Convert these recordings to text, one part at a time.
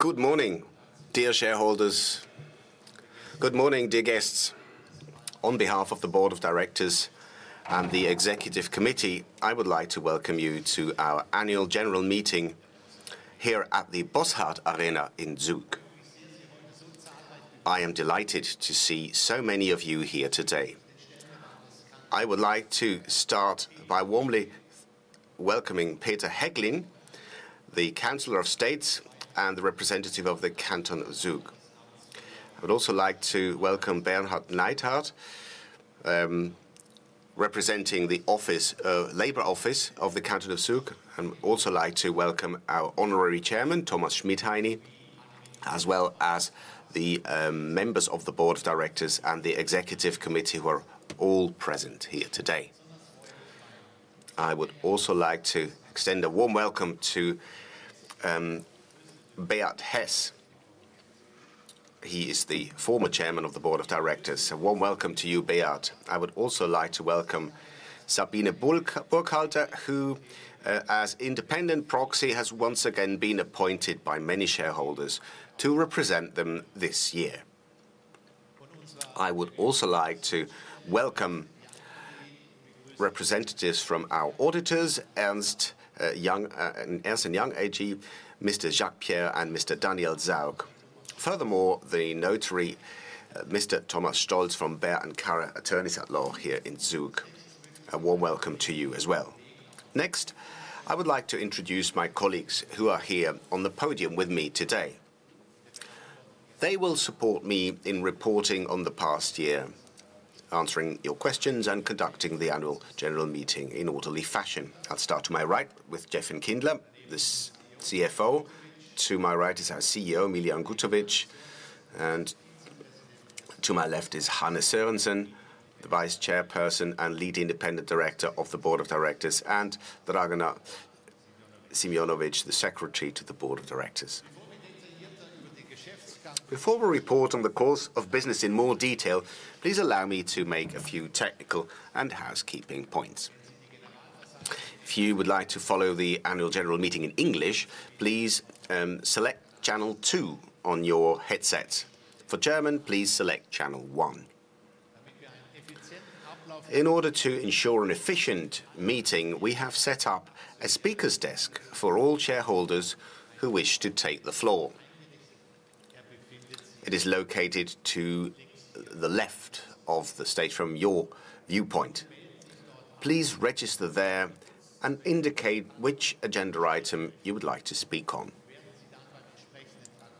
Good morning, dear shareholders. Good morning, dear guests. On behalf of the Board of Directors and the Executive Committee, I would like to welcome you to our annual general meeting here at the Bossard Arena in Zug. I am delighted to see so many of you here today. I would like to start by warmly welcoming Peter Hegglin, the Chancellor of State, and the representative of the Canton of Zug. I would also like to welcome Bernhard Neidhardt, representing the Labour Office of the Canton of Zug. I would also like to welcome our Honorary Chairman, Thomas Schmidheiny, as well as the members of the Board of Directors and the Executive Committee who are all present here today. I would also like to extend a warm welcome to Beat Hess. He is the former Chairman of the Board of Directors. A warm welcome to you, Beat. I would also like to welcome Sabine Burkhalter, who, as independent proxy, has once again been appointed by many shareholders to represent them this year. I would also like to welcome representatives from our auditors, Ernst & Young AG, Mr. Jacques Pierre, and Mr. Daniel Zaugg. Furthermore, the notary, Mr. Thomas Stolz from Baer & Karrer Attorneys at Law here in Zug. A warm welcome to you as well. Next, I would like to introduce my colleagues who are here on the podium with me today. They will support me in reporting on the past year, answering your questions, and conducting the annual general meeting in orderly fashion. I'll start to my right with Steffen Kindler, the CFO. To my right is our CEO, Miljan Gutovic. To my left is Hanne Sørensen, the Vice Chairperson and Lead Independent Director of the Board of Directors, and Dragan Simeunovic, the Secretary to the Board of Directors. Before we report on the course of business in more detail, please allow me to make a few technical and housekeeping points. If you would like to follow the annual general meeting in English, please select channel two on your headset. For German, please select channel one. In order to ensure an efficient meeting, we have set up a speaker's desk for all shareholders who wish to take the floor. It is located to the left of the stage from your viewpoint. Please register there and indicate which agenda item you would like to speak on.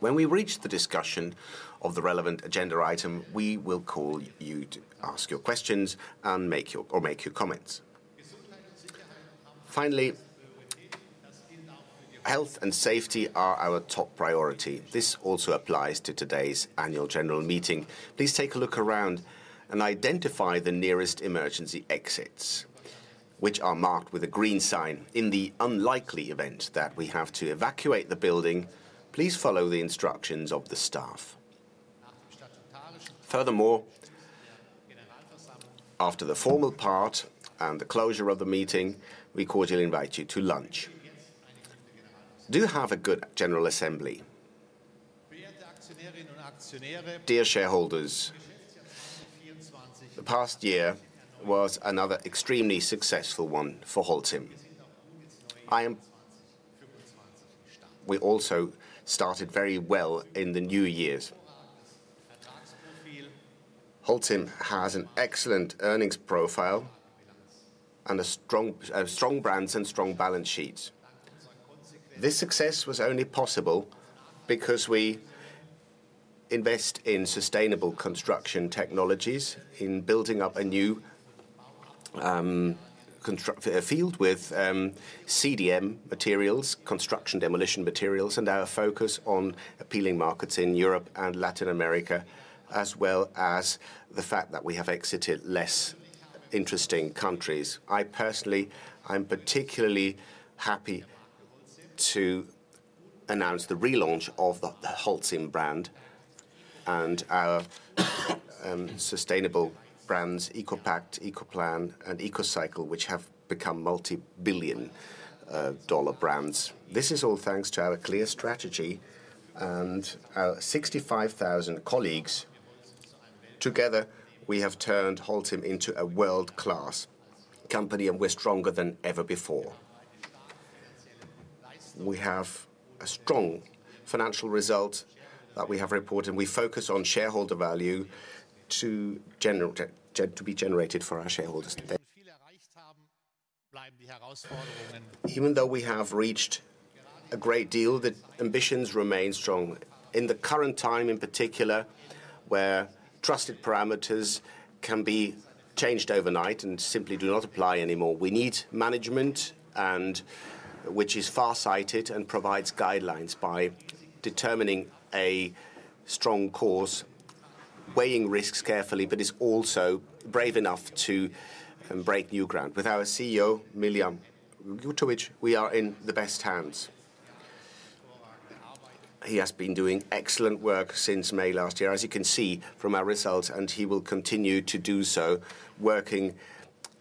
When we reach the discussion of the relevant agenda item, we will call you to ask your questions or make your comments. Finally, health and safety are our top priority. This also applies to today's annual general meeting. Please take a look around and identify the nearest emergency exits, which are marked with a green sign. In the unlikely event that we have to evacuate the building, please follow the instructions of the staff. Furthermore, after the formal part and the closure of the meeting, we cordially invite you to lunch. Do have a good general assembly. Dear shareholders, the past year was another extremely successful one for Holcim. We also started very well in the new year. Holcim has an excellent earnings profile and strong brands and strong balance sheets. This success was only possible because we invest in sustainable construction technologies, in building up a new field with CDM materials, construction demolition materials, and our focus on appealing markets in Europe and Latin America, as well as the fact that we have exited less interesting countries. I personally am particularly happy to announce the relaunch of the Holcim brand and our sustainable brands, EcoPact, EcoPlanet, and EcoCycle, which have become multi-billion dollar brands. This is all thanks to our clear strategy and our 65,000 colleagues. Together, we have turned Holcim into a world-class company, and we're stronger than ever before. We have a strong financial result that we have reported, and we focus on shareholder value to be generated for our shareholders. Even though we have reached a great deal, the ambitions remain strong. In the current time, in particular, where trusted parameters can be changed overnight and simply do not apply anymore, we need management which is farsighted and provides guidelines by determining a strong course, weighing risks carefully, but is also brave enough to break new ground. With our CEO, Miljan Gutovic, we are in the best hands. He has been doing excellent work since May last year, as you can see from our results, and he will continue to do so, working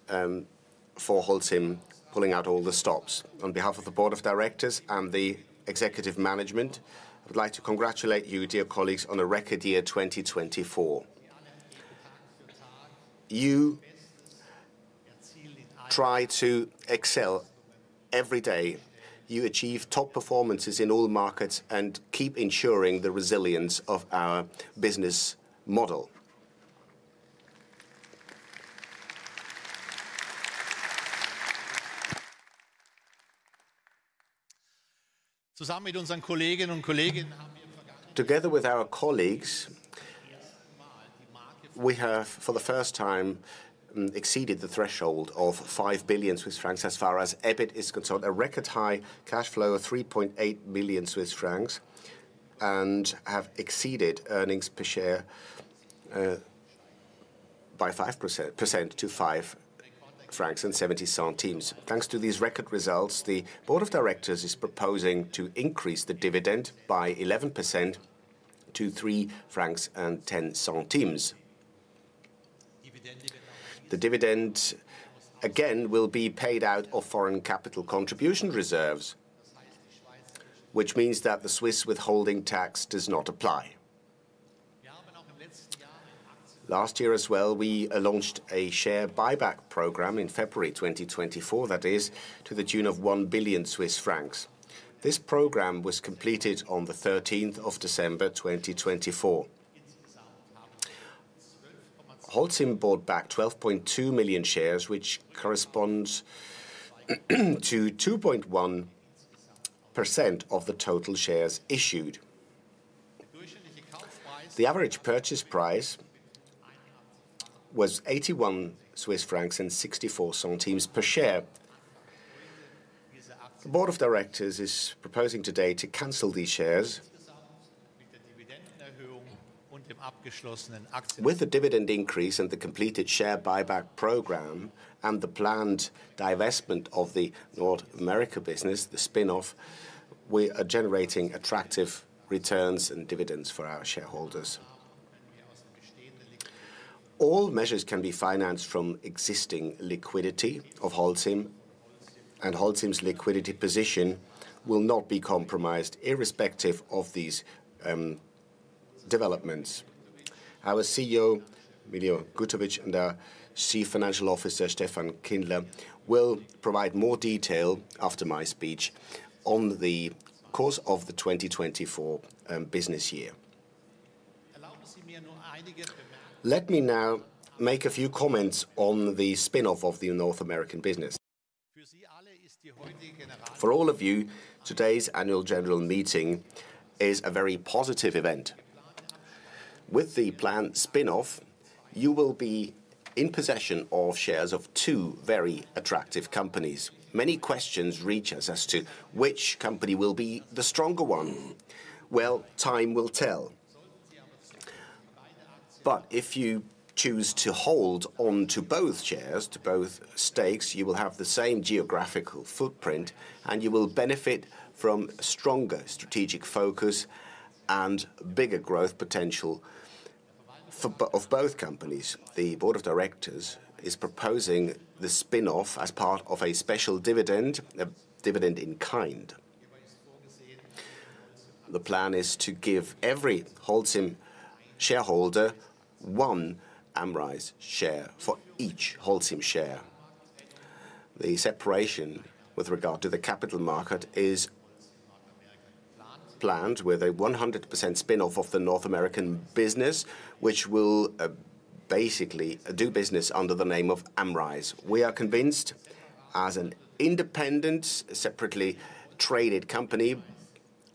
for Holcim, pulling out all the stops. On behalf of the Board of Directors and the executive management, I would like to congratulate you, dear colleagues, on a record year 2024. You try to excel every day. You achieve top performances in all markets and keep ensuring the resilience of our business model. Together with our colleagues, we have for the first time exceeded the threshold of 5 billion Swiss francs as far as EBIT is concerned, a record high cash flow of 3.8 billion Swiss francs, and have exceeded earnings per share by 5% to 5.70 francs. Thanks to these record results, the Board of Directors is proposing to increase the dividend by 11% to 3.10 francs. The dividend, again, will be paid out of foreign capital contribution reserves, which means that the Swiss withholding tax does not apply. Last year as well, we launched a share buyback program in February 2024, that is, to the tune of 1 billion Swiss francs. This program was completed on the 13th of December 2024. Holcim bought back 12.2 million shares, which corresponds to 2.1% of the total shares issued. The average purchase price was 81.64 Swiss francs per share. The Board of Directors is proposing today to cancel these shares. With the dividend increase and the completed share buyback program and the planned divestment of the North America business, the spin-off, we are generating attractive returns and dividends for our shareholders. All measures can be financed from existing liquidity of Holcim, and Holcim's liquidity position will not be compromised irrespective of these developments. Our CEO, Miljan Gutovic, and our Chief Financial Officer, Steffen Kindler, will provide more detail after my speech on the course of the 2024 business year. Let me now make a few comments on the spin-off of the North American business. For all of you, today's annual general meeting is a very positive event. With the planned spin-off, you will be in possession of shares of two very attractive companies. Many questions reach us as to which company will be the stronger one. Time will tell. If you choose to hold onto both shares, to both stakes, you will have the same geographical footprint, and you will benefit from stronger strategic focus and bigger growth potential of both companies. The Board of Directors is proposing the spin-off as part of a special dividend, a dividend in kind. The plan is to give every Holcim shareholder one AmRise share for each Holcim share. The separation with regard to the capital market is planned with a 100% spin-off of the North American business, which will basically do business under the name of AmRise. We are convinced, as an independent, separately traded company,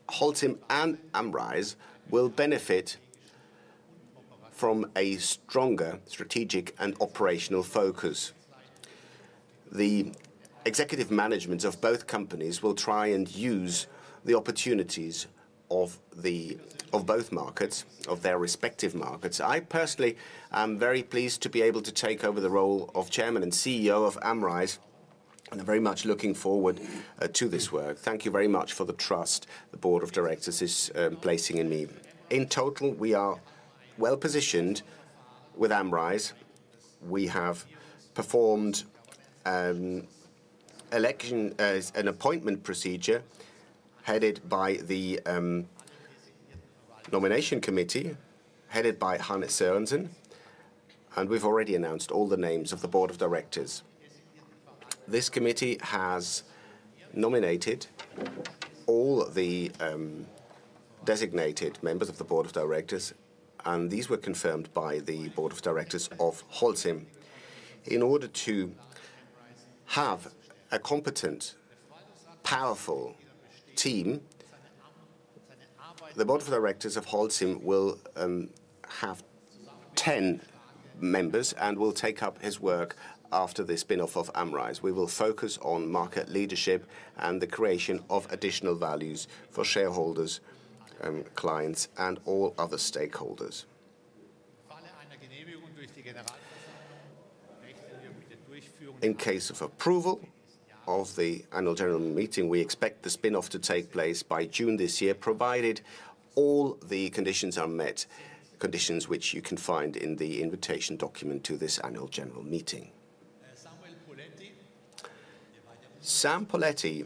Holcim and AmRise will benefit from a stronger strategic and operational focus. The executive managements of both companies will try and use the opportunities of both markets, of their respective markets. I personally am very pleased to be able to take over the role of Chairman and CEO of AmRise, and I'm very much looking forward to this work. Thank you very much for the trust the Board of Directors is placing in me. In total, we are well positioned with AmRise. We have performed an appointment procedure headed by the Nomination Committee, headed by Hanne Sørensen, and we've already announced all the names of the Board of Directors. This committee has nominated all the designated members of the Board of Directors, and these were confirmed by the Board of Directors of Holcim. In order to have a competent, powerful team, the Board of Directors of Holcim will have 10 members and will take up its work after the spin-off of AmRise. We will focus on market leadership and the creation of additional values for shareholders, clients, and all other stakeholders. In case of approval of the annual general meeting, we expect the spin-off to take place by June this year, provided all the conditions are met, conditions which you can find in the invitation document to this annual general meeting. Sam Poletti,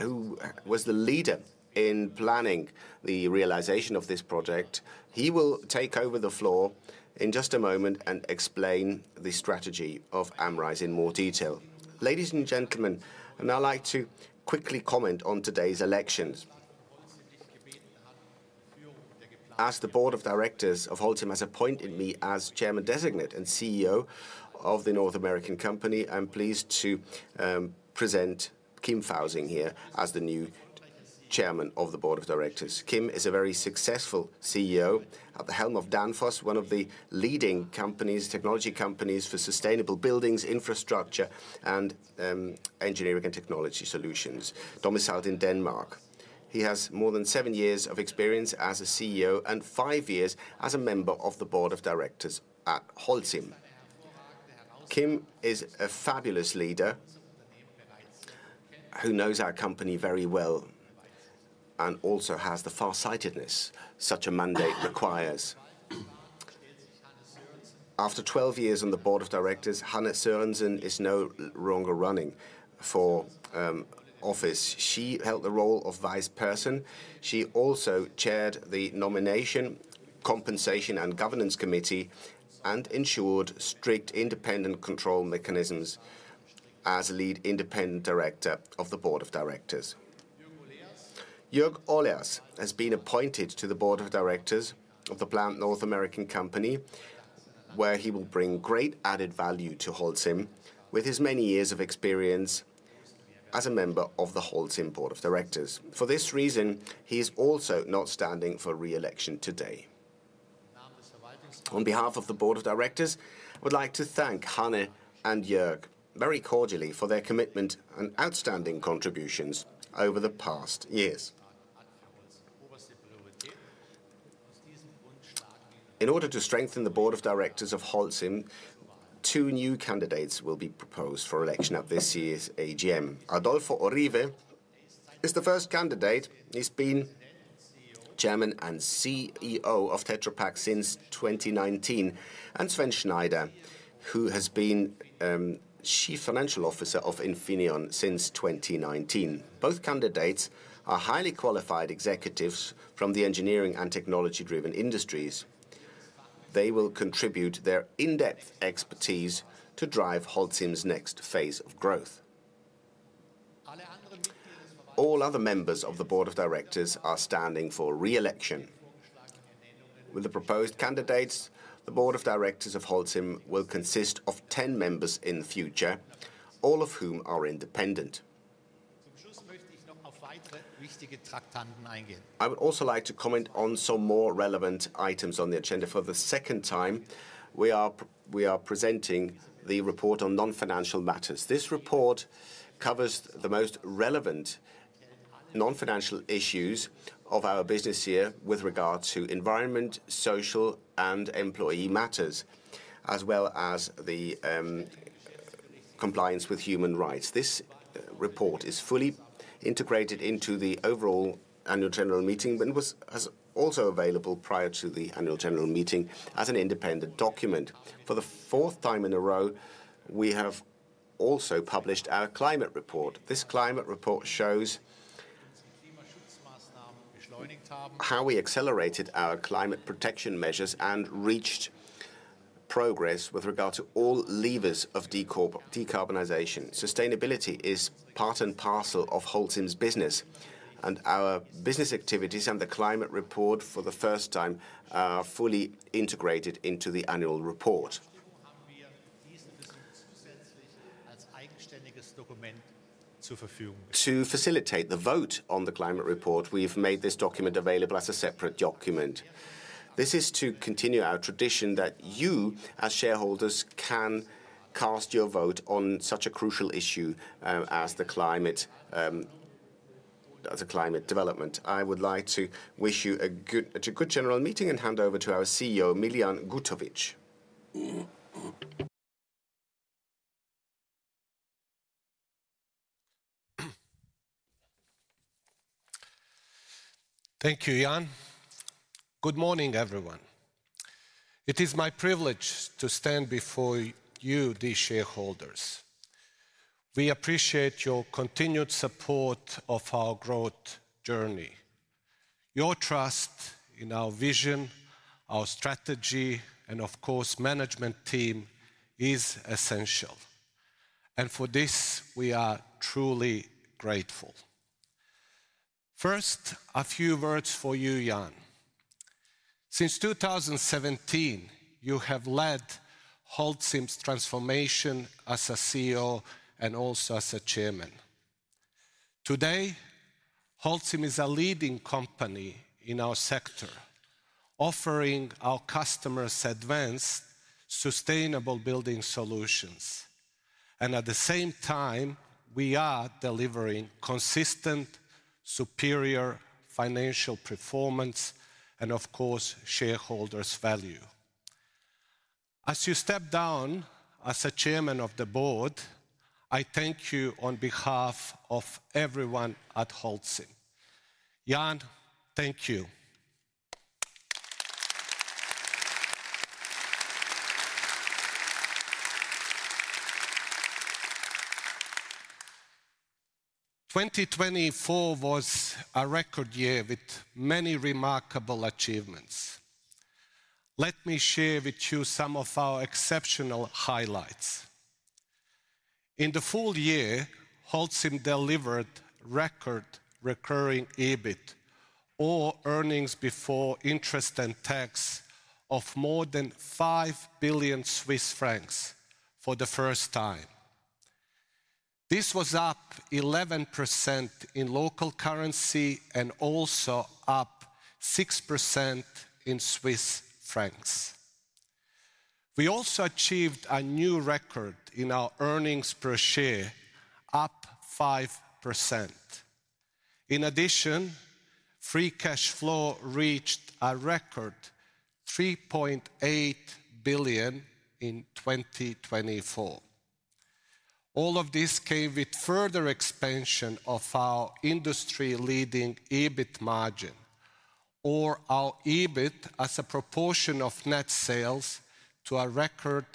who was the leader in planning the realization of this project, he will take over the floor in just a moment and explain the strategy of AmRise in more detail. Ladies and gentlemen, I'd now like to quickly comment on today's elections. As the Board of Directors of Holcim has appointed me as Chairman designate and CEO of the North American company, I'm pleased to present Kim Fausing here as the new Chairman of the Board of Directors. Kim is a very successful CEO at the helm of Danfoss, one of the leading technology companies for sustainable buildings, infrastructure, and engineering and technology solutions, domiciled in Denmark. He has more than seven years of experience as a CEO and five years as a member of the Board of Directors at Holcim. Kim is a fabulous leader who knows our company very well and also has the farsightedness such a mandate requires. After 12 years on the Board of Directors, Hanne Sørensen is no longer running for office. She held the role of Vice Chairperson. She also chaired the Nomination, Compensation, and Governance Committee and ensured strict independent control mechanisms as Lead Independent Director of the Board of Directors. Jörg Oleas has been appointed to the Board of Directors of the planned North American company, where he will bring great added value to Holcim with his many years of experience as a member of the Holcim Board of Directors. For this reason, he is also not standing for re-election today. On behalf of the Board of Directors, I would like to thank Hanne and Jörg very cordially for their commitment and outstanding contributions over the past years. In order to strengthen the Board of Directors of Holcim, two new candidates will be proposed for election at this year's AGM. Adolfo Uribe is the first candidate. He's been Chairman and CEO of Tetra Pak since 2019, and Sven Schneider, who has been Chief Financial Officer of Infineon since 2019. Both candidates are highly qualified executives from the engineering and technology-driven industries. They will contribute their in-depth expertise to drive Holcim's next phase of growth. All other members of the Board of Directors are standing for re-election. With the proposed candidates, the Board of Directors of Holcim will consist of 10 members in the future, all of whom are independent. I would also like to comment on some more relevant items on the agenda. For the second time, we are presenting the report on non-financial matters. This report covers the most relevant non-financial issues of our business year with regard to environment, social, and employee matters, as well as the compliance with human rights. This report is fully integrated into the overall annual general meeting, but it was also available prior to the annual general meeting as an independent document. For the fourth time in a row, we have also published our climate report. This climate report shows how we accelerated our climate protection measures and reached progress with regard to all levers of decarbonization. Sustainability is part and parcel of Holcim's business, and our business activities and the climate report for the first time are fully integrated into the annual report. To facilitate the vote on the climate report, we've made this document available as a separate document. This is to continue our tradition that you, as shareholders, can cast your vote on such a crucial issue as the climate development. I would like to wish you a good general meeting and hand over to our CEO, Miljan Gutovic. Thank you, Jan. Good morning, everyone. It is my privilege to stand before you, the shareholders. We appreciate your continued support of our growth journey. Your trust in our vision, our strategy, and, of course, management team is essential. For this, we are truly grateful. First, a few words for you, Jan. Since 2017, you have led Holcim's transformation as CEO and also as Chairman. Today, Holcim is a leading company in our sector, offering our customers advanced, sustainable building solutions. At the same time, we are delivering consistent, superior financial performance and, of course, shareholders' value. As you step down as Chairman of the Board, I thank you on behalf of everyone at Holcim. Jan, thank you. 2024 was a record year with many remarkable achievements. Let me share with you some of our exceptional highlights. In the full year, Holcim delivered record recurring EBIT, or earnings before interest and tax, of more than 5 billion Swiss francs for the first time. This was up 11% in local currency and also up 6% in Swiss francs. We also achieved a new record in our earnings per share, up 5%. In addition, free cash flow reached a record 3.8 billion in 2024. All of this came with further expansion of our industry-leading EBIT margin, or our EBIT as a proportion of net sales to a record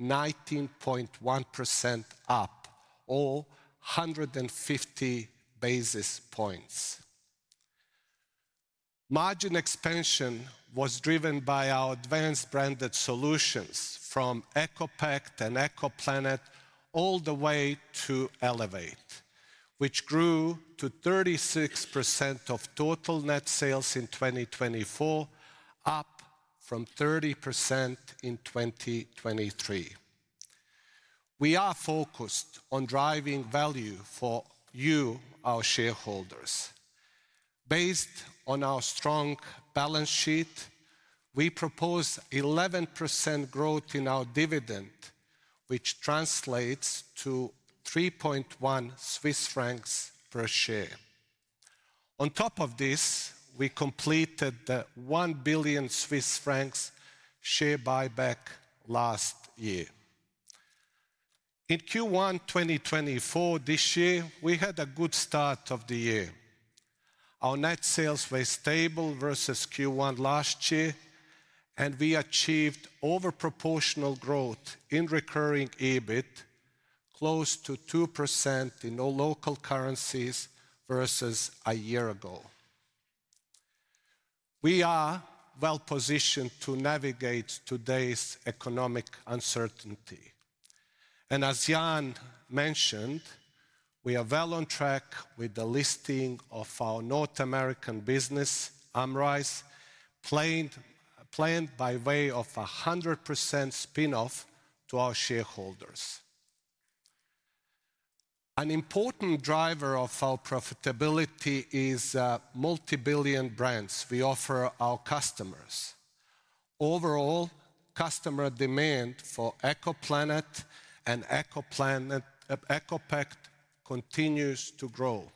19.1%, up 150 bps. Margin expansion was driven by our advanced branded solutions from EcoPact and EcoPlanet all the way to Elevate, which grew to 36% of total net sales in 2024, up from 30% in 2023. We are focused on driving value for you, our shareholders. Based on our strong balance sheet, we propose 11% growth in our dividend, which translates to 3.1 Swiss francs per share. On top of this, we completed the 1 billion Swiss francs share buyback last year. In Q1 2024, this year, we had a good start of the year. Our net sales were stable versus Q1 last year, and we achieved overproportional growth in recurring EBIT, close to 2% in all local currencies versus a year ago. We are well positioned to navigate today's economic uncertainty. As Jan mentioned, we are well on track with the listing of our North American business, AmRise, planned by way of a 100% spin-off to our shareholders. An important driver of our profitability is multi-billion brands we offer our customers. Overall, customer demand for EcoPlanet and EcoPact continues to grow.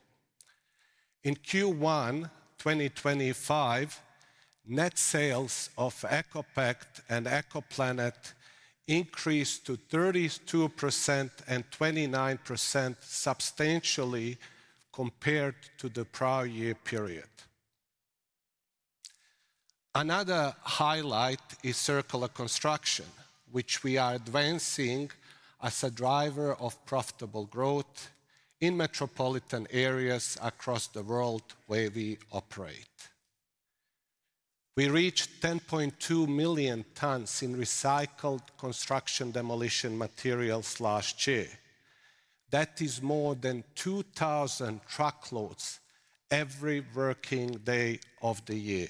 In Q1 2025, net sales of EcoPact and EcoPlanet increased to 32% and 29% substantially compared to the prior year period. Another highlight is Circular Construction, which we are advancing as a driver of profitable growth in metropolitan areas across the world where we operate. We reached 10.2 million tons in recycled construction demolition materials last year. That is more than 2,000 truckloads every working day of the year.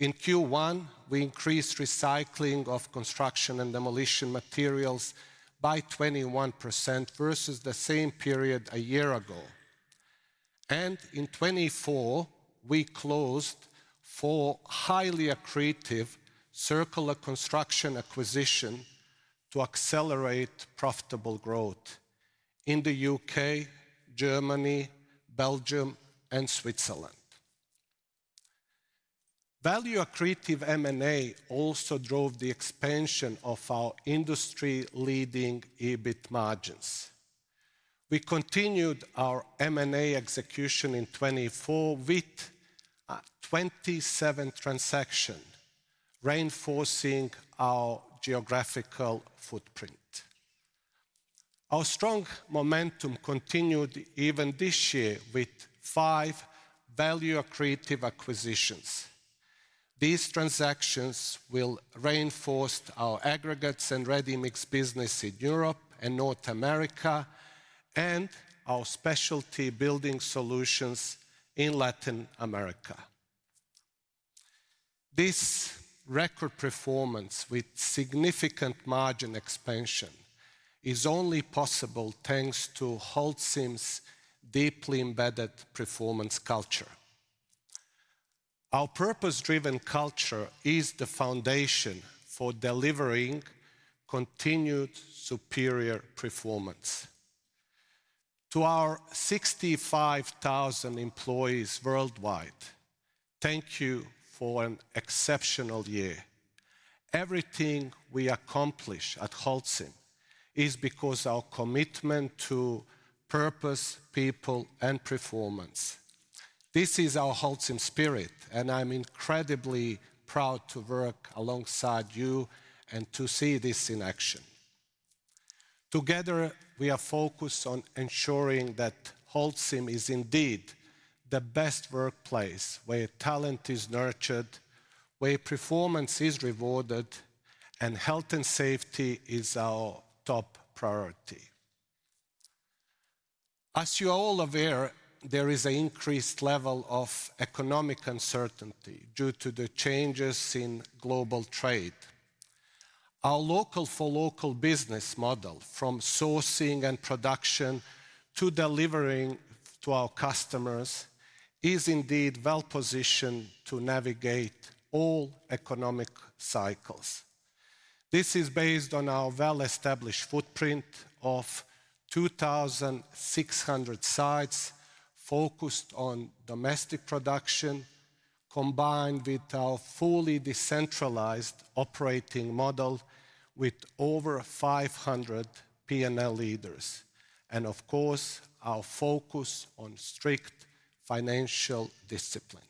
In Q1, we increased recycling of construction and demolition materials by 21% versus the same period a year ago. In 2024, we closed four highly accretive circular construction acquisitions to accelerate profitable growth in the U.K., Germany, Belgium, and Switzerland. Value-accretive M&A also drove the expansion of our industry-leading EBIT margins. We continued our M&A execution in 2024 with 27 transactions, reinforcing our geographical footprint. Our strong momentum continued even this year with five value-accretive acquisitions. These transactions will reinforce our aggregates and ready-mix business in Europe and North America, and our specialty building solutions in Latin America. This record performance with significant margin expansion is only possible thanks to Holcim's deeply embedded performance culture. Our purpose-driven culture is the foundation for delivering continued superior performance. To our 65,000 employees worldwide, thank you for an exceptional year. Everything we accomplish at Holcim is because of our commitment to purpose, people, and performance. This is our Holcim spirit, and I'm incredibly proud to work alongside you and to see this in action. Together, we are focused on ensuring that Holcim is indeed the best workplace where talent is nurtured, where performance is rewarded, and health and safety is our top priority. As you are all aware, there is an increased level of economic uncertainty due to the changes in global trade. Our local-for-local business model, from sourcing and production to delivering to our customers, is indeed well positioned to navigate all economic cycles. This is based on our well-established footprint of 2,600 sites focused on domestic production, combined with our fully decentralized operating model with over 500 P&L leaders, and of course, our focus on strict financial discipline.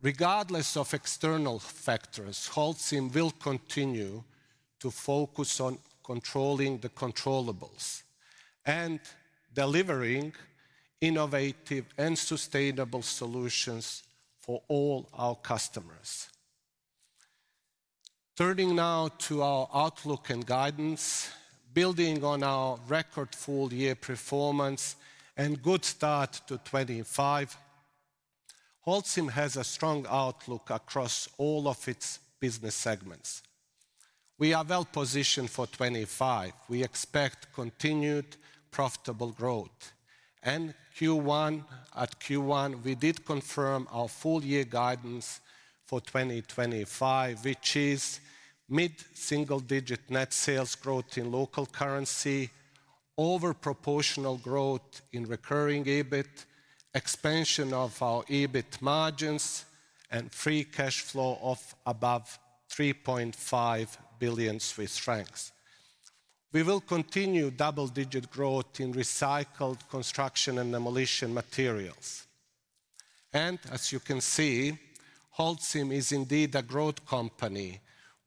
Regardless of external factors, Holcim will continue to focus on controlling the controllables, and delivering innovative and sustainable solutions for all our customers. Turning now to our outlook and guidance, building on our record full-year performance and good start to 2025, Holcim has a strong outlook across all of its business segments. We are well positioned for 2025. We expect continued profitable growth. At Q1, we did confirm our full-year guidance for 2025, which is mid-single-digit net sales growth in local currency, overproportional growth in recurring EBIT, expansion of our EBIT margins, and free cash flow of above 3.5 billion Swiss francs. We will continue double-digit growth in recycled construction and demolition materials. As you can see, Holcim is indeed a growth company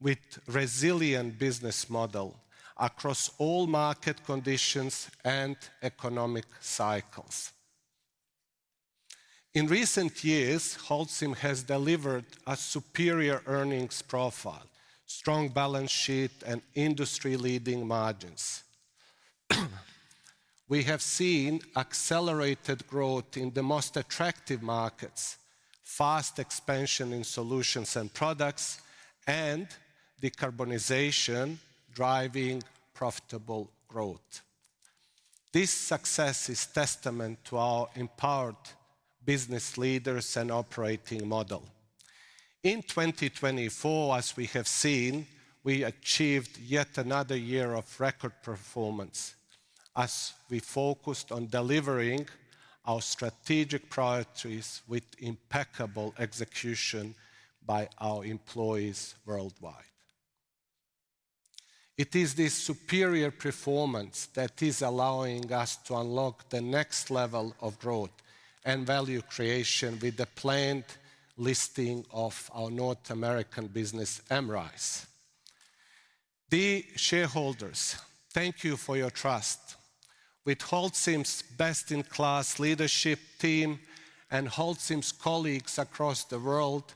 with a resilient business model across all market conditions and economic cycles. In recent years, Holcim has delivered a superior earnings profile, strong balance sheet, and industry-leading margins. We have seen accelerated growth in the most attractive markets, fast expansion in solutions and products, and decarbonization driving profitable growth. This success is a testament to our empowered business leaders and operating model. In 2024, as we have seen, we achieved yet another year of record performance as we focused on delivering our strategic priorities with impeccable execution by our employees worldwide. It is this superior performance that is allowing us to unlock the next level of growth and value creation with the planned listing of our North American business, AmRise. Dear shareholders, thank you for your trust. With Holcim's best-in-class leadership team and Holcim's colleagues across the world,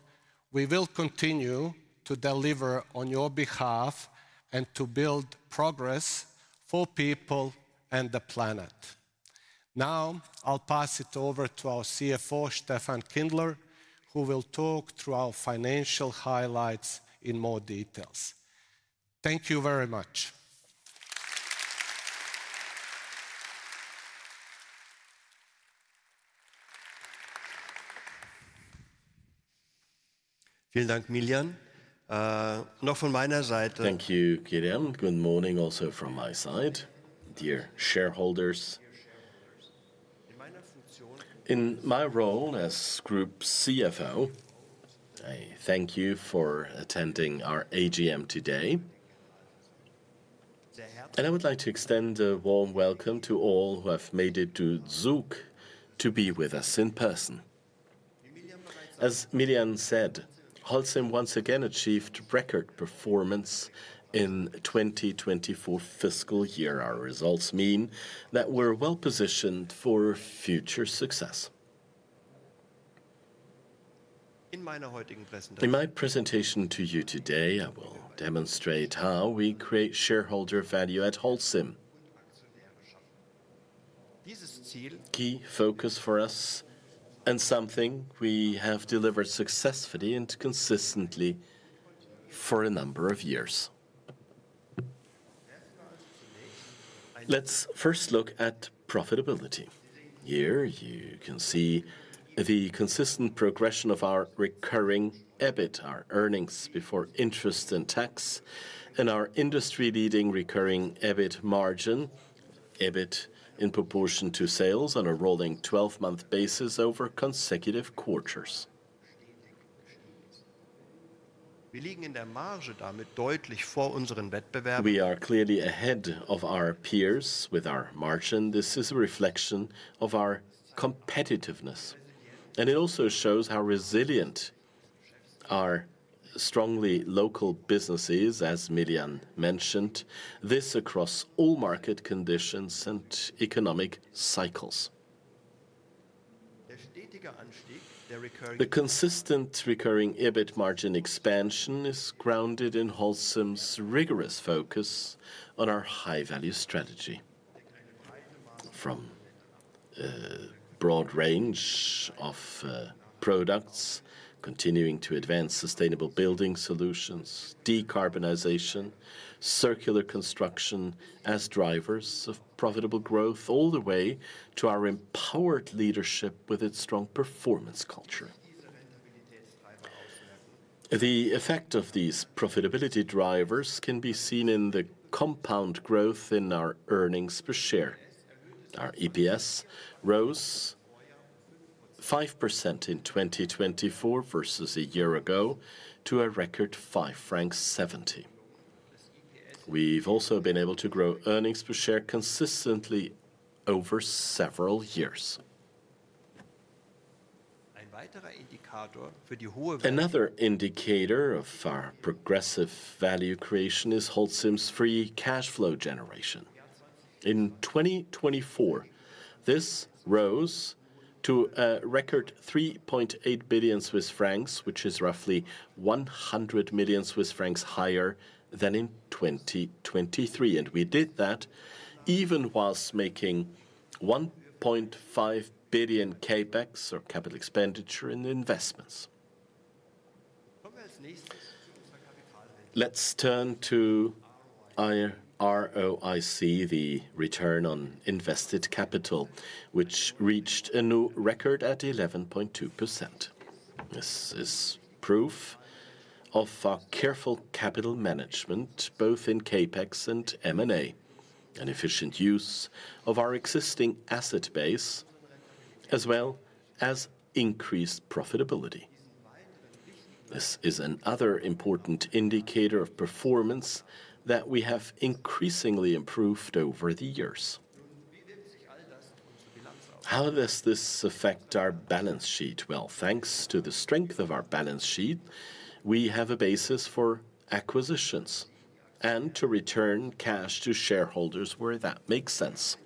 we will continue to deliver on your behalf and to build progress for people and the planet. Now, I'll pass it over to our CFO, Steffen Kindler, who will talk through our financial highlights in more detail. Thank you very much. Vielen Dank, Miljan. Noch von meiner Seite. Thank you, Géraldine. Good morning also from my side. Dear shareholders. In my role as Group CFO, I thank you for attending our AGM today. I would like to extend a warm welcome to all who have made it to Zug to be with us in person. As Miljan said, Holcim once again achieved record performance in 2024 fiscal year. Our results mean that we're well positioned for future success. In my presentation to you today, I will demonstrate how we create shareholder value at Holcim. Key focus for us and something we have delivered successfully and consistently for a number of years. Let's first look at profitability. Here you can see the consistent progression of our recurring EBIT, our earnings before interest and tax, and our industry-leading recurring EBIT margin, EBIT in proportion to sales on a rolling 12-month basis over consecutive quarters. We are clearly ahead of our peers with our margin. This is a reflection of our competitiveness. It also shows how resilient our strongly local business is, as Miljan mentioned, this across all market conditions and economic cycles. The consistent recurring EBIT margin expansion is grounded in Holcim's rigorous focus on our high-value strategy. From a broad range of products, continuing to advance sustainable building solutions, decarbonization, circular construction as drivers of profitable growth, all the way to our empowered leadership with its strong performance culture. The effect of these profitability drivers can be seen in the compound growth in our earnings per share. Our EPS rose 5% in 2024 versus a year ago to a record 5.70 francs. We've also been able to grow earnings per share consistently over several years. Another indicator of our progressive value creation is Holcim's free cash flow generation. In 2024, this rose to a record 3.8 billion Swiss francs, which is roughly 100 million Swiss francs higher than in 2023. We did that even whilst making 1.5 billion CapEx or capital expenditure in investments. Let's turn to ROIC, the return on invested capital, which reached a new record at 11.2%. This is proof of our careful capital management, both in CapEx and M&A, an efficient use of our existing asset base, as well as increased profitability. This is another important indicator of performance that we have increasingly improved over the years. How does this affect our balance sheet? Thanks to the strength of our balance sheet, we have a basis for acquisitions and to return cash to shareholders where that makes sense.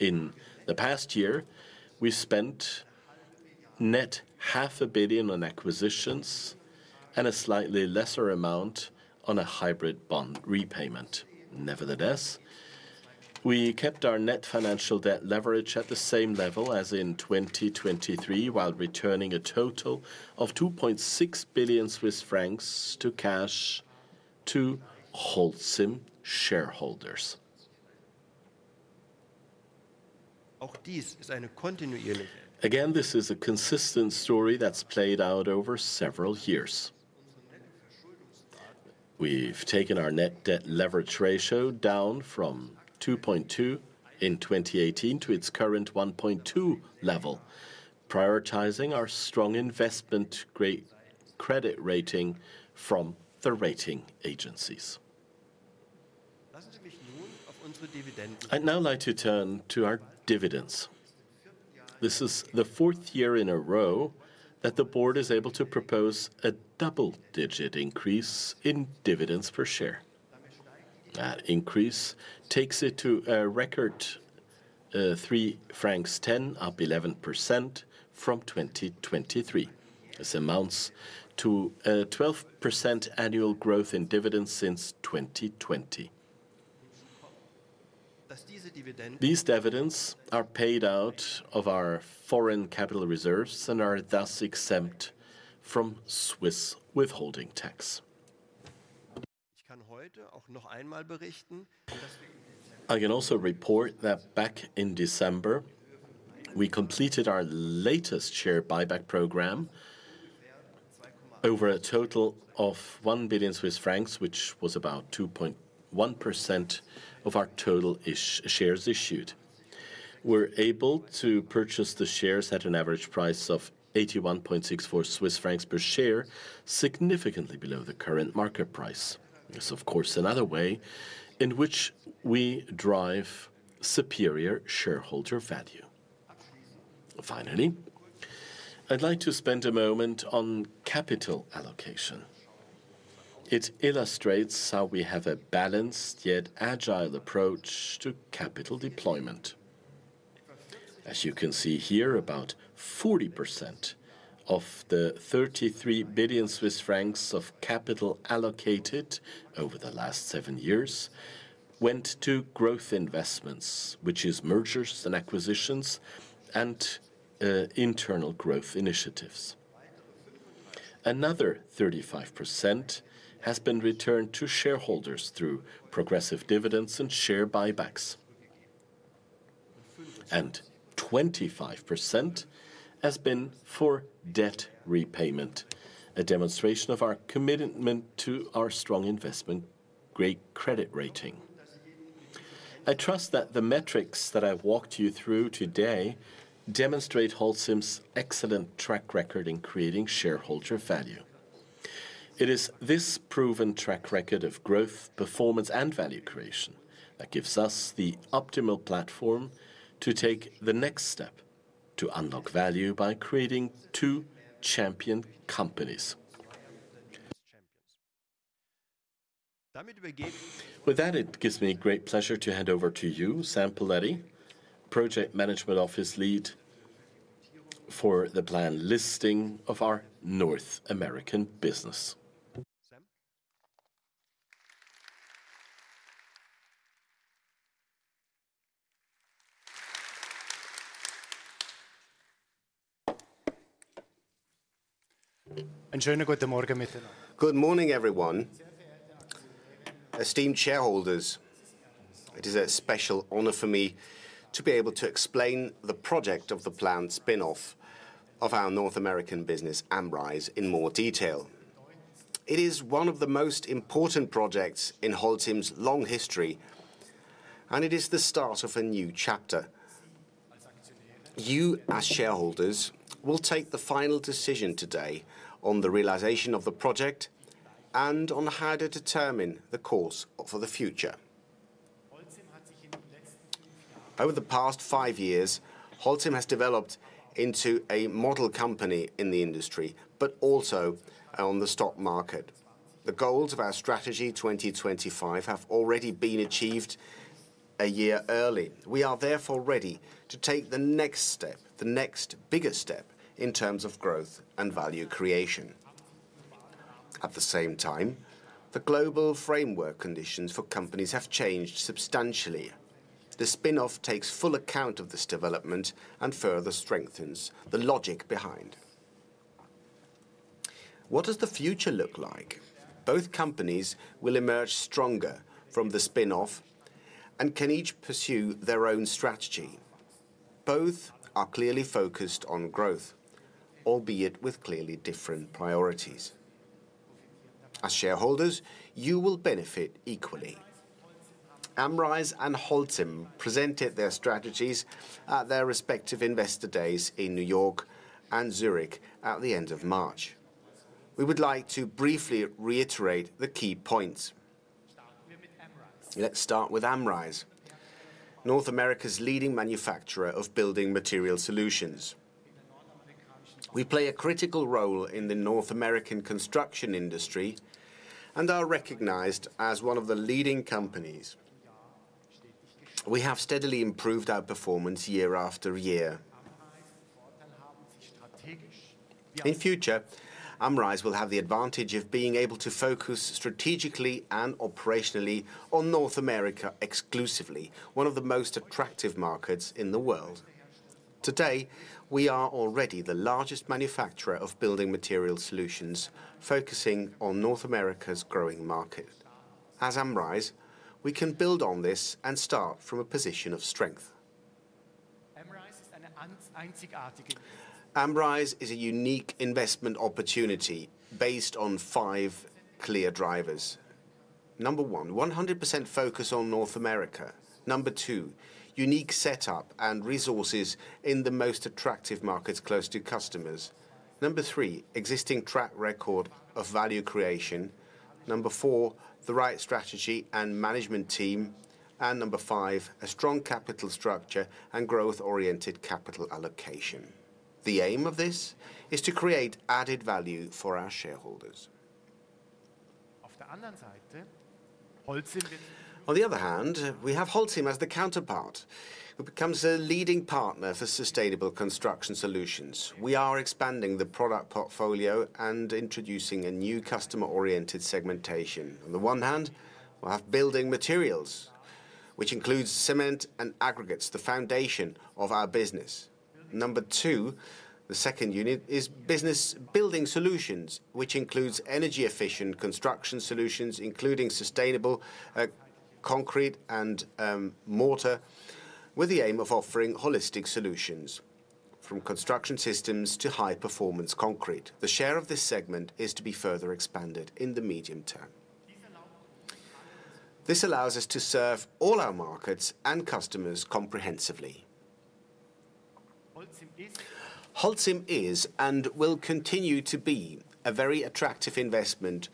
In the past year, we spent net 500,000,000 on acquisitions and a slightly lesser amount on a hybrid bond repayment. Nevertheless, we kept our net financial debt leverage at the same level as in 2023, while returning a total of 2.6 billion Swiss francs cash to Holcim shareholders. Again, this is a consistent story that has played out over several years. We have taken our net debt leverage ratio down from 2.2 in 2018 to its current 1.2 level, prioritizing our strong investment grade credit rating from the rating agencies. I would now like to turn to our dividends. This is the fourth year in a row that the board is able to propose a double-digit increase in dividends per share. That increase takes it to a record 3.10 francs, up 11% from 2023. This amounts to a 12% annual growth in dividends since 2020. These dividends are paid out of our foreign capital reserves and are thus exempt from Swiss withholding tax. I can also report that back in December, we completed our latest share buyback program over a total of 1 billion Swiss francs, which was about 2.1% of our total shares issued. We were able to purchase the shares at an average price of 81.64 Swiss francs per share, significantly below the current market price. There is, of course, another way in which we drive superior shareholder value. Finally, I'd like to spend a moment on capital allocation. It illustrates how we have a balanced yet agile approach to capital deployment. As you can see here, about 40% of the 33 billion Swiss francs of capital allocated over the last seven years went to growth investments, which is mergers and acquisitions and internal growth initiatives. Another 35% has been returned to shareholders through progressive dividends and share buybacks. 25% has been for debt repayment, a demonstration of our commitment to our strong investment grade credit rating. I trust that the metrics that I've walked you through today demonstrate Holcim's excellent track record in creating shareholder value. It is this proven track record of growth, performance, and value creation that gives us the optimal platform to take the next step to unlock value by creating two champion companies. With that, it gives me great pleasure to hand over to you, Sam Poletti, Project Management Office Lead for the planned listing of our North American business. Einen schönen guten Morgen miteinander. Good morning, everyone. Esteemed shareholders, it is a special honor for me to be able to explain the project of the planned spin-off of our North American business, AmRise, in more detail. It is one of the most important projects in Holcim's long history, and it is the start of a new chapter. You, as shareholders, will take the final decision today on the realization of the project and on how to determine the course for the future. Over the past five years, Holcim has developed into a model company in the industry, but also on the stock market. The goals of our strategy 2025 have already been achieved a year early. We are therefore ready to take the next step, the next bigger step in terms of growth and value creation. At the same time, the global framework conditions for companies have changed substantially. The spinoff takes full account of this development and further strengthens the logic behind. What does the future look like? Both companies will emerge stronger from the spinoff, and can each pursue their own strategy. Both are clearly focused on growth, albeit with clearly different priorities. As shareholders, you will benefit equally. AmRise and Holcim presented their strategies at their respective investor days in New York and Zurich at the end of March. We would like to briefly reiterate the key points. Let's start with AmRise, North America's leading manufacturer of building material solutions. We play a critical role in the North American construction industry and are recognized as one of the leading companies. We have steadily improved our performance year after year. In future, AmRise will have the advantage of being able to focus strategically and operationally on North America exclusively, one of the most attractive markets in the world. Today, we are already the largest manufacturer of building material solutions, focusing on North America's growing market. As AmRise, we can build on this and start from a position of strength. AmRise is a unique investment opportunity based on five clear drivers. Number one, 100% focus on North America. Number two, unique setup and resources in the most attractive markets close to customers. Number three, existing track record of value creation. Number four, the right strategy and management team. Number five, a strong capital structure and growth-oriented capital allocation. The aim of this is to create added value for our shareholders. On the other hand, we have Holcim as the counterpart, who becomes a leading partner for sustainable construction solutions. We are expanding the product portfolio and introducing a new customer-oriented segmentation. On the one hand, we'll have building materials, which includes cement and aggregates, the foundation of our business. Number two, the second unit is business building solutions, which includes energy-efficient construction solutions, including sustainable concrete and mortar, with the aim of offering holistic solutions from construction systems to high-performance concrete. The share of this segment is to be further expanded in the medium term. This allows us to serve all our markets and customers comprehensively. Holcim is and will continue to be a very attractive investment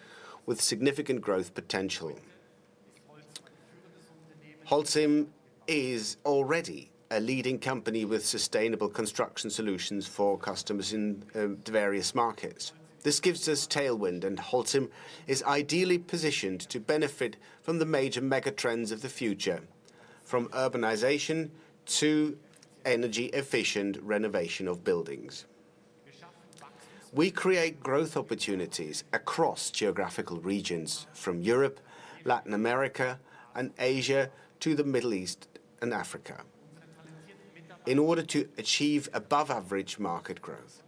with significant growth potential. Holcim is already a leading company with sustainable construction solutions for customers in various markets. This gives us tailwind, and Holcim is ideally positioned to benefit from the major megatrends of the future, from urbanization to energy-efficient renovation of buildings. We create growth opportunities across geographical regions, from Europe, Latin America, and Asia to the Middle East and Africa, in order to achieve above-average market growth.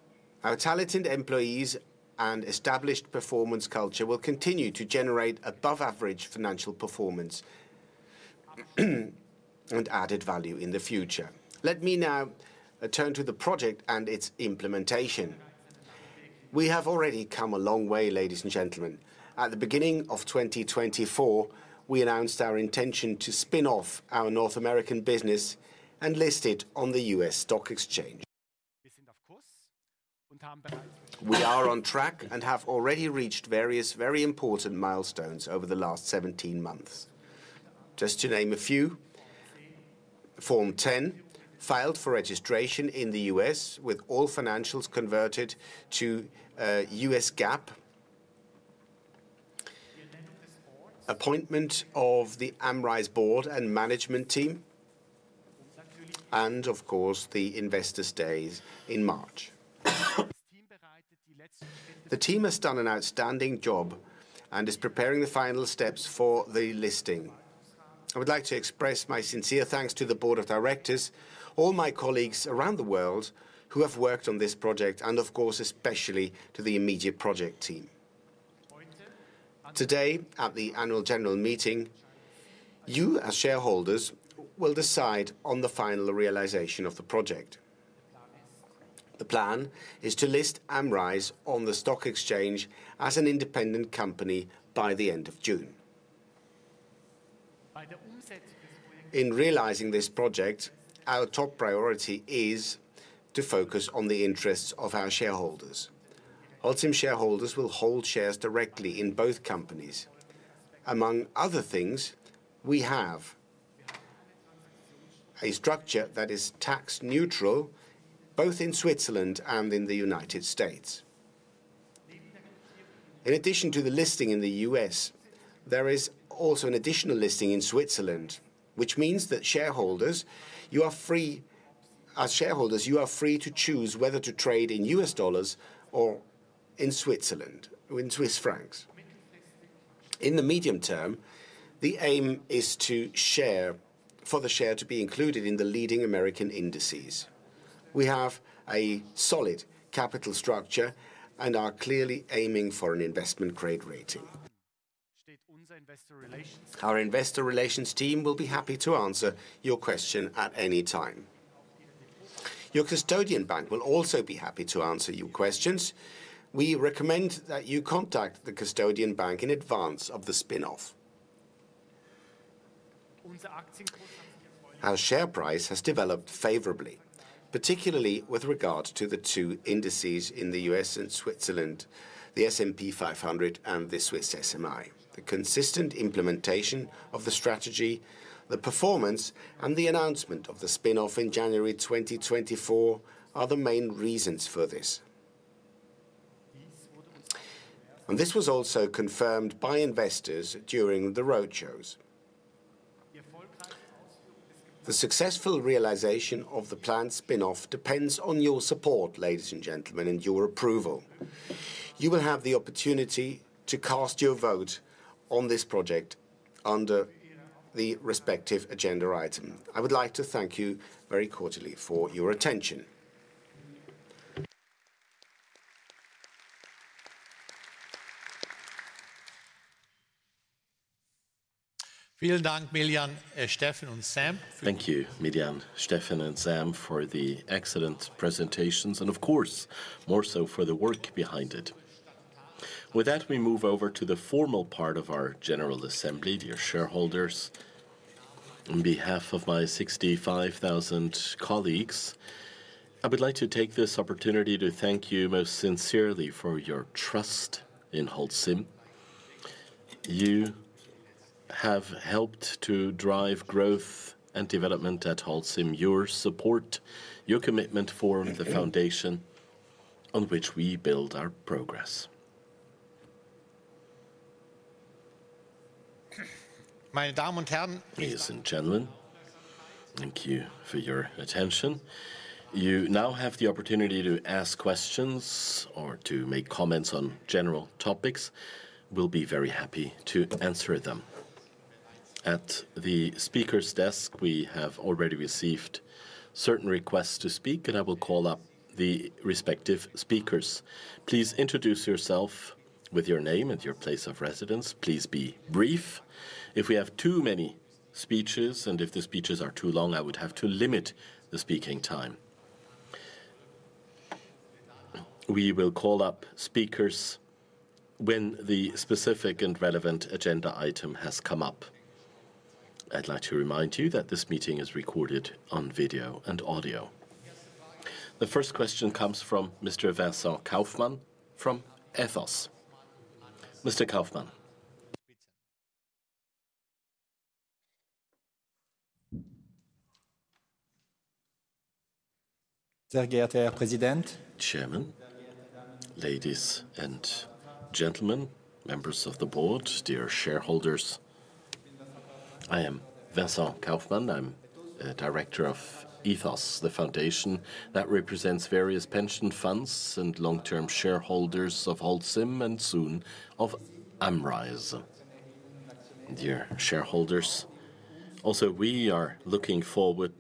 Our talented employees and established performance culture will continue to generate above-average financial performance and added value in the future. Let me now turn to the project and its implementation. We have already come a long way, ladies and gentlemen. At the beginning of 2024, we announced our intention to spin off our North American business and list it on the U.S. stock exchange. We are on track and have already reached various very important milestones over the last 17 months. Just to name a few, Form 10 filed for registration in the U.S. with all financials converted to U.S. GAAP, appointment of the AmRise board and management team, and of course, the investor stays in March. The team has done an outstanding job and is preparing the final steps for the listing. I would like to express my sincere thanks to the Board of Directors, all my colleagues around the world who have worked on this project, and of course, especially to the immediate project team. Today, at the annual general meeting, you, as shareholders, will decide on the final realization of the project. The plan is to list AmRise on the stock exchange as an independent company by the end of June. In realizing this project, our top priority is to focus on the interests of our shareholders. Holcim shareholders will hold shares directly in both companies. Among other things, we have a structure that is tax neutral both in Switzerland and in the United States. In addition to the listing in the U.S., there is also an additional listing in Switzerland, which means that shareholders, you are free as shareholders, you are free to choose whether to trade in U.S. dollars or in Switzerland, in CHF. In the medium term, the aim is to share for the share to be included in the leading American indices. We have a solid capital structure and are clearly aiming for an investment grade rating. Our investor relations team will be happy to answer your question at any time. Your custodian bank will also be happy to answer your questions. We recommend that you contact the custodian bank in advance of the spinoff. Our share price has developed favorably, particularly with regard to the two indices in the U.S. and Switzerland, the S&P 500 and the Swiss SMI. The consistent implementation of the strategy, the performance, and the announcement of the spinoff in January 2024 are the main reasons for this. This was also confirmed by investors during the roadshows. The successful realization of the planned spinoff depends on your support, ladies and gentlemen, and your approval. You will have the opportunity to cast your vote on this project under the respective agenda item. I would like to thank you very cordially for your attention. Vielen Dank, Miljan, Steffen und Sam. Thank you, Miljan, Steffen and Sam, for the excellent presentations and, of course, more so for the work behind it. With that, we move over to the formal part of our general assembly, dear shareholders. On behalf of my 65,000 colleagues, I would like to take this opportunity to thank you most sincerely for your trust in Holcim. You have helped to drive growth and development at Holcim. Your support, your commitment form the foundation on which we build our progress. Meine Damen und Herren. Ladies and gentlemen, thank you for your attention. You now have the opportunity to ask questions or to make comments on general topics. We'll be very happy to answer them. At the speaker's desk, we have already received certain requests to speak, and I will call up the respective speakers. Please introduce yourself with your name and your place of residence. Please be brief. If we have too many speeches and if the speeches are too long, I would have to limit the speaking time. We will call up speakers when the specific and relevant agenda item has come up. I'd like to remind you that this meeting is recorded on video and audio. The first question comes from Mr. Vincent Kaufmann from Ethos. Mr. Kaufmann. Sehr geehrter Herr Präsident, Chairman, ladies and gentlemen, members of the board, dear shareholders. I am Vincent Kaufmann. I'm the director of Ethos, the foundation that represents various pension funds and long-term shareholders of Holcim and soon of AmRise. Dear shareholders, also we are looking forward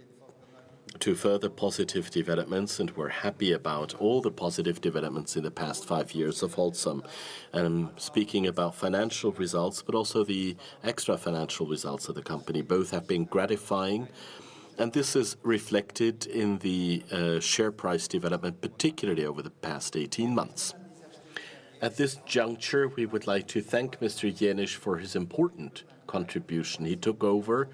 to further positive developments, and we're happy about all the positive developments in the past five years of Holcim. I'm speaking about financial results, but also the extra financial results of the company. Both have been gratifying, and this is reflected in the share price development, particularly over the past 18 months. At this juncture, we would like to thank Mr. Jenisch for his important contribution. He took over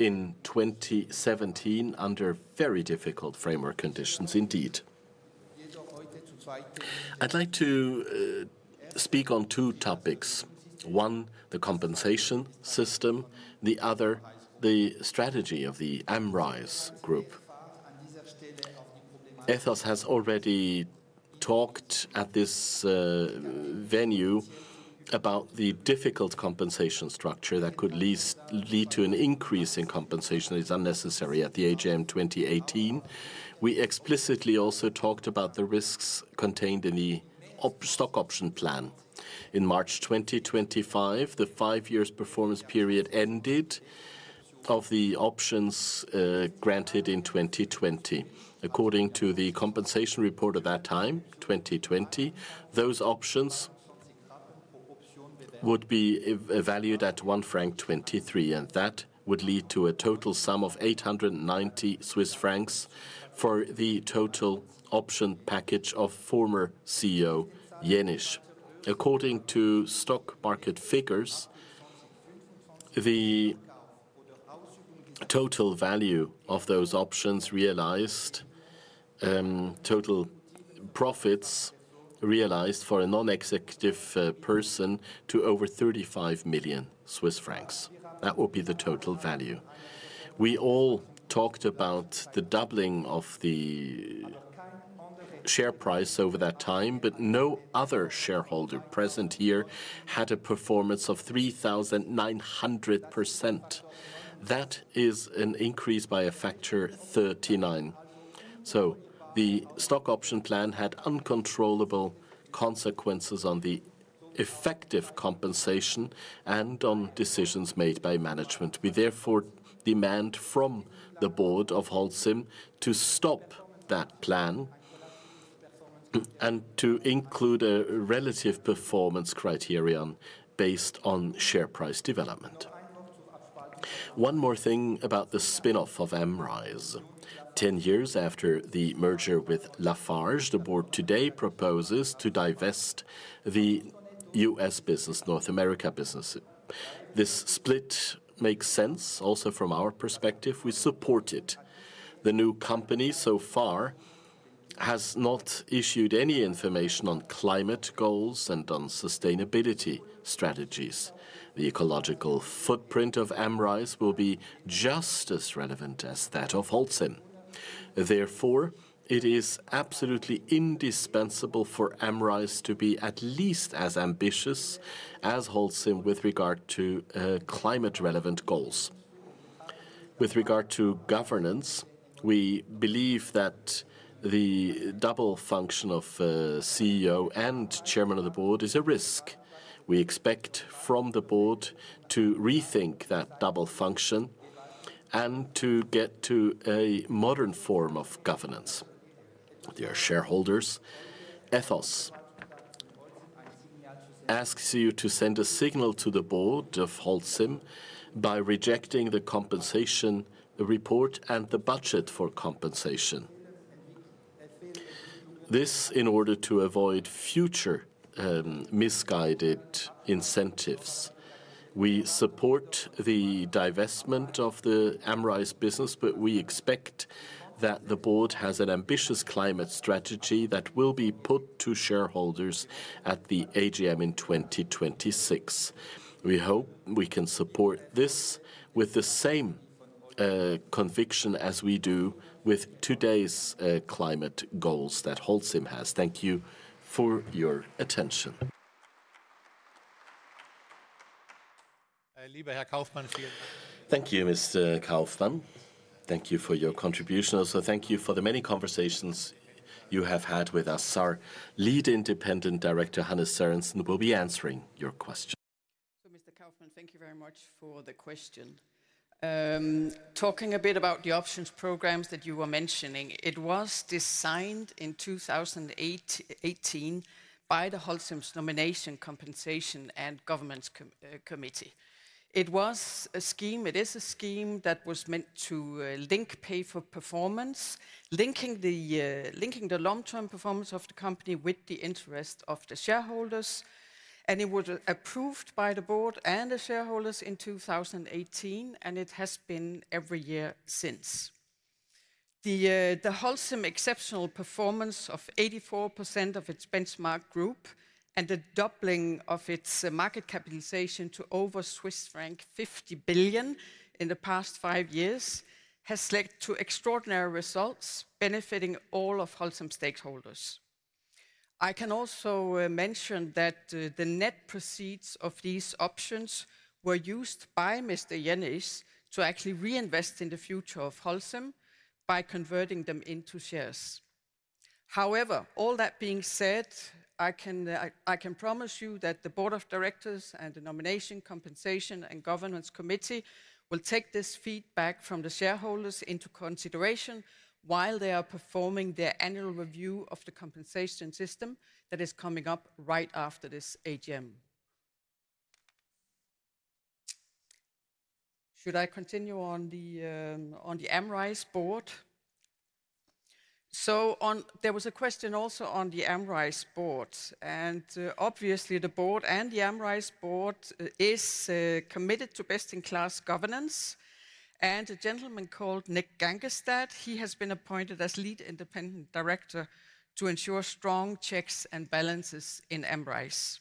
in 2017 under very difficult framework conditions, indeed. I'd like to speak on two topics. One, the compensation system; the other, the strategy of the AmRise group. Ethos has already talked at this venue about the difficult compensation structure that could lead to an increase in compensation that is unnecessary at the age of 2018. We explicitly also talked about the risks contained in the stock option plan. In March 2025, the five-year performance period ended of the options granted in 2020. According to the compensation report at that time, 2020, those options would be valued at 1.23 franc, and that would lead to a total sum of 890 Swiss francs for the total option package of former CEO Jenisch. According to stock market figures, the total value of those options realized, total profits realized for a non-executive person to over 35 million Swiss francs. That would be the total value. We all talked about the doubling of the share price over that time, but no other shareholder present here had a performance of 3,900%. That is an increase by a factor 39 million. So the stock option plan had uncontrollable consequences on the effective compensation and on decisions made by management. We therefore demand from the board of Holcim to stop that plan and to include a relative performance criterion based on share price development. One more thing about the spinoff of AmRise. Ten years after the merger with Lafarge, the board today proposes to divest the US North America business. This split makes sense also from our perspective. We support it. The new company so far has not issued any information on climate goals and on sustainability strategies. The ecological footprint of AmRise will be just as relevant as that of Holcim. Therefore, it is absolutely indispensable for AmRise to be at least as ambitious as Holcim with regard to climate-relevant goals. With regard to governance, we believe that the double function of CEO and Chairman of the Board is a risk. We expect from the Board to rethink that double function and to get to a modern form of governance. Dear shareholders, Ethos asks you to send a signal to the Board of Holcim by rejecting the compensation report and the budget for compensation. This is in order to avoid future misguided incentives. We support the divestment of the AmRise business, but we expect that the Board has an ambitious climate strategy that will be put to shareholders at the AGM in 2026. We hope we can support this with the same conviction as we do with today's climate goals that Holcim has. Thank you for your attention. Lieber Herr Kaufmann, vielen Dank. Thank you, Mr. Kaufmann. Thank you for your contribution. Also, thank you for the many conversations you have had with us. Our Lead Independent Director, Hanne Sørensen, will be answering your question. Mr. Kaufmann, thank you very much for the question. Talking a bit about the options programs that you were mentioning, it was designed in 2018 by Holcim's Nomination, Compensation, and Governance Committee. It was a scheme, it is a scheme that was meant to link pay-for-performance, linking the long-term performance of the company with the interest of the shareholders. It was approved by the board and the shareholders in 2018, and it has been every year since. Holcim's exceptional performance of 84% of its benchmark group and the doubling of its market capitalization to over Swiss franc 50 billion in the past five years has led to extraordinary results benefiting all of Holcim's stakeholders. I can also mention that the net proceeds of these options were used by Mr. Jenisch to actually reinvest in the future of Holcim by converting them into shares. However, all that being said, I can promise you that the Board of Directors and the Nomination, Compensation, and Governance Committee will take this feedback from the shareholders into consideration while they are performing their annual review of the compensation system that is coming up right after this AGM. Should I continue on the AmRise board? There was a question also on the AmRise board, and obviously the board and the AmRise board are committed to best-in-class governance. A gentleman called Nick Gangestad, he has been appointed as Lead Independent Director to ensure strong checks and balances in AmRise.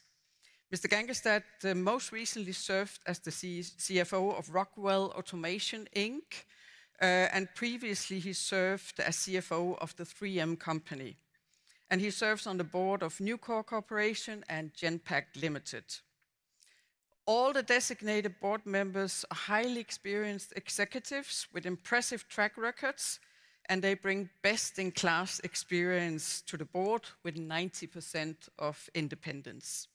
Mr. Gangestad most recently served as the CFO of Rockwell Automation, and previously he served as CFO of the 3M Company. He serves on the board of NewCore Corporation and Genpact Limited. All the designated board members are highly experienced executives with impressive track records, and they bring best-in-class experience to the board with 90% of independence.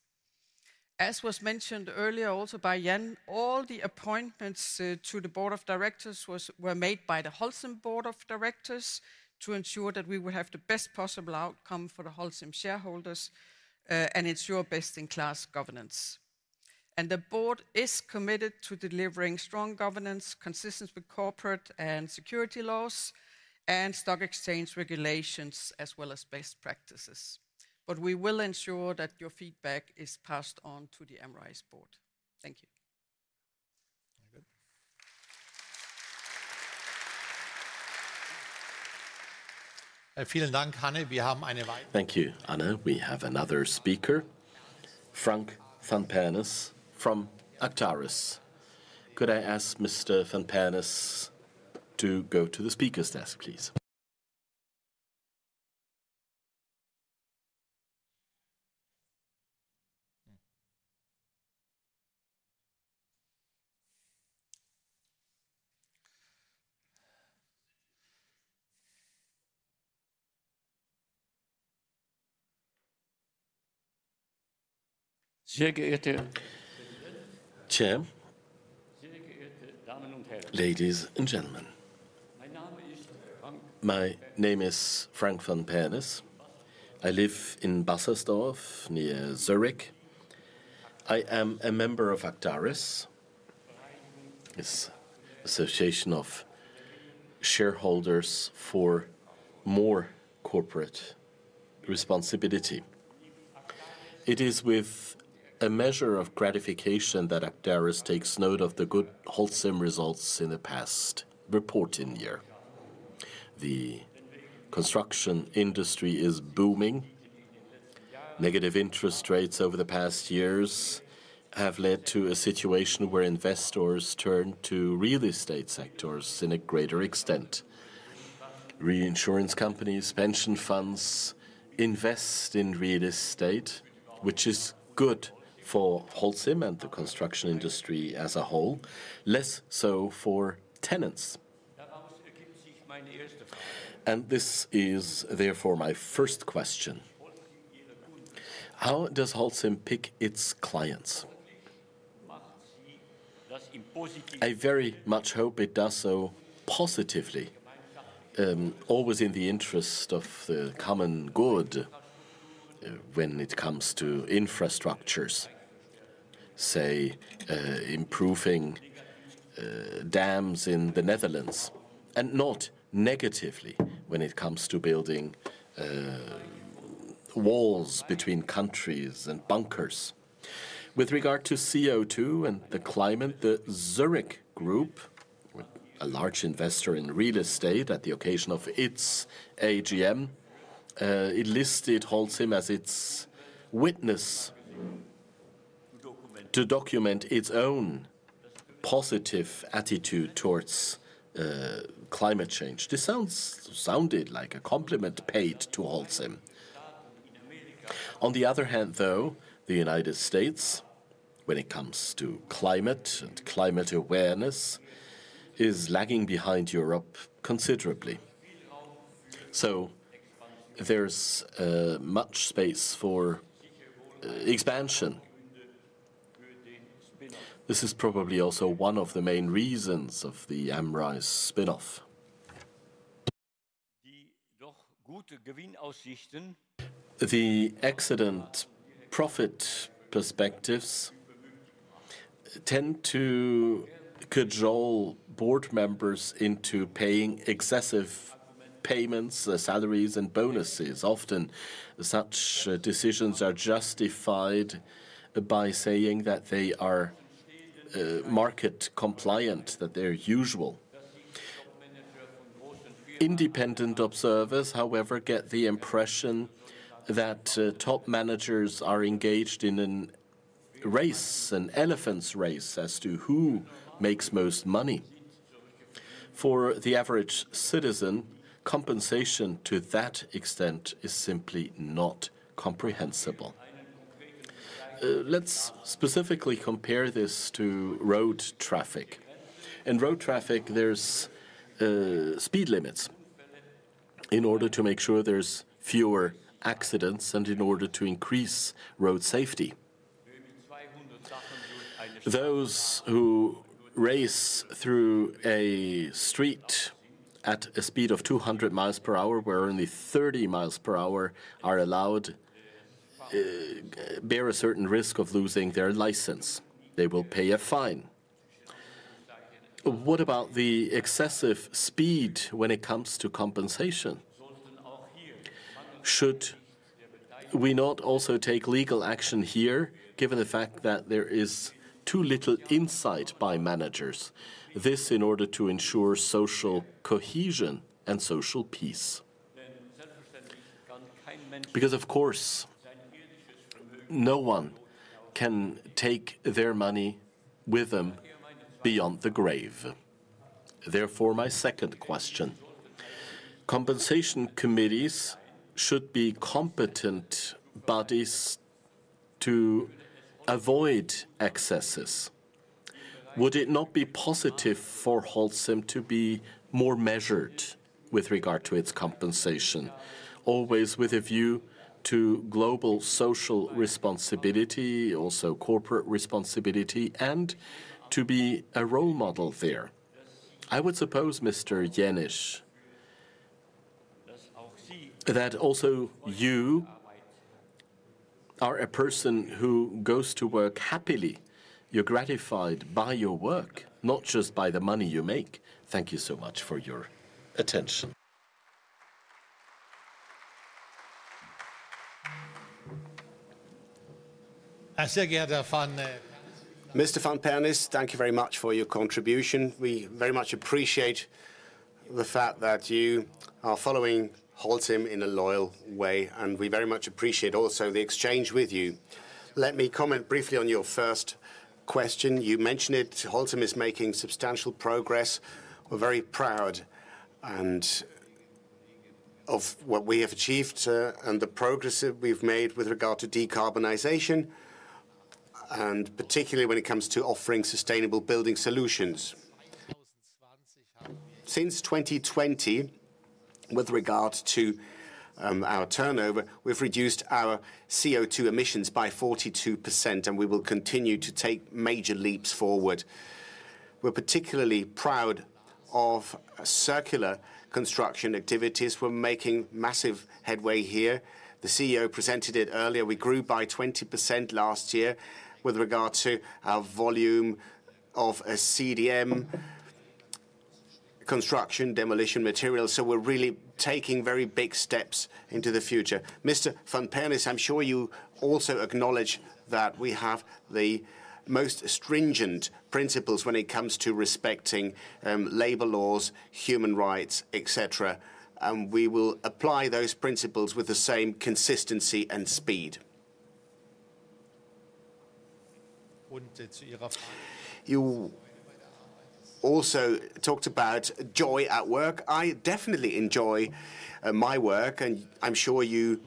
As was mentioned earlier also by Jan, all the appointments to the board of directors were made by the Holcim board of directors to ensure that we would have the best possible outcome for the Holcim shareholders and ensure best-in-class governance. The board is committed to delivering strong governance, consistent with corporate and security laws and stock exchange regulations, as well as best practices. We will ensure that your feedback is passed on to the AmRise board. Thank you. Vielen Dank, Hanne. Thank you, Hanne. We have another speaker, Frank van Pernis from Actaris. Could I ask Mr. van Pernis to go to the speaker's desk, please? Sehr geehrte Ladies and gentlemen, my name is Frank van Pernis. I live in Bassersdorf near Zurich. I am a member of Actaris, an association of shareholders for more corporate responsibility. It is with a measure of gratification that Actaris takes note of the good Holcim results in the past reporting year. The construction industry is booming. Negative interest rates over the past years have led to a situation where investors turn to real estate sectors in a greater extent. Reinsurance companies, pension funds invest in real estate, which is good for Holcim and the construction industry as a whole, less so for tenants. This is therefore my first question. How does Holcim pick its clients? I very much hope it does so positively, always in the interest of the common good when it comes to infrastructures, say, improving dams in the Netherlands, and not negatively when it comes to building walls between countries and bunkers. With regard to CO2 and the climate, the Zurich group, a large investor in real estate at the occasion of its AGM, listed Holcim as its witness to document its own positive attitude towards climate change. This sounded like a compliment paid to Holcim. On the other hand, though, the United States, when it comes to climate and climate awareness, is lagging behind Europe considerably. There is much space for expansion. This is probably also one of the main reasons of the AmRise spinoff. The excellent profit perspectives tend to cajole board members into paying excessive payments, salaries, and bonuses. Often such decisions are justified by saying that they are market compliant, that they're usual. Independent observers, however, get the impression that top managers are engaged in an elephant's race as to who makes most money. For the average citizen, compensation to that extent is simply not comprehensible. Let's specifically compare this to road traffic. In road traffic, there's speed limits in order to make sure there's fewer accidents and in order to increase road safety. Those who race through a street at a speed of 200 mi per hour, where only 30 mi per hour are allowed, bear a certain risk of losing their license. They will pay a fine. What about the excessive speed when it comes to compensation? Should we not also take legal action here, given the fact that there is too little insight by managers? This is in order to ensure social cohesion and social peace. Because, of course, no one can take their money with them beyond the grave. Therefore, my second question: Compensation committees should be competent bodies to avoid excesses. Would it not be positive for Holcim to be more measured with regard to its compensation, always with a view to global social responsibility, also corporate responsibility, and to be a role model there? I would suppose, Mr. Jenisch, that also you are a person who goes to work happily. You're gratified by your work, not just by the money you make. Thank you so much for your attention. Sehr geehrter Herr Van Pernis. Mr. Van Pernis, thank you very much for your contribution. We very much appreciate the fact that you are following Holcim in a loyal way, and we very much appreciate also the exchange with you. Let me comment briefly on your first question. You mentioned it: Holcim is making substantial progress. We're very proud of what we have achieved and the progress that we've made with regard to decarbonization, and particularly when it comes to offering sustainable building solutions. Since 2020, with regard to our turnover, we've reduced our CO2 emissions by 42%, and we will continue to take major leaps forward. We're particularly proud of circular construction activities. We're making massive headway here. The CEO presented it earlier. We grew by 20% last year with regard to our volume of CDM, construction demolition materials. We're really taking very big steps into the future. Mr. van Pernis, I'm sure you also acknowledge that we have the most stringent principles when it comes to respecting labor laws, human rights, etc. We will apply those principles with the same consistency and speed. You also talked about joy at work. I definitely enjoy my work, and I'm sure you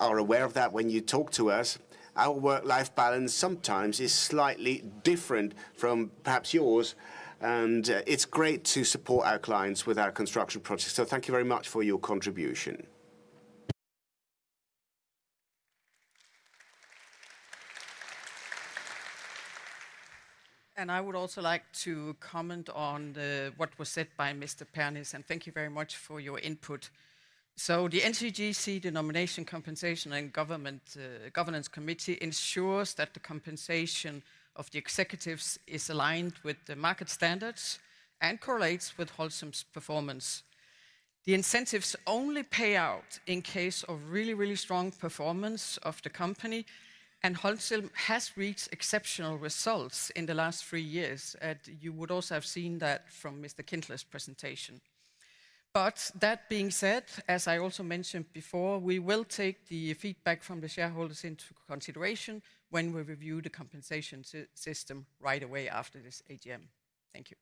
are aware of that when you talk to us. Our work-life balance sometimes is slightly different from perhaps yours, and it's great to support our clients with our construction projects. Thank you very much for your contribution. I would also like to comment on what was said by Mr. van Pernis, and thank you very much for your input. The NCGC, the nomination, compensation, and governance committee, ensures that the compensation of the executives is aligned with the market standards and correlates with Holcim's performance. The incentives only pay out in case of really, really strong performance of the company, and Holcim has reached exceptional results in the last three years. You would also have seen that from Mr. Kindler's presentation. That being said, as I also mentioned before, we will take the feedback from the shareholders into consideration when we review the compensation system right away after this AGM. Thank you.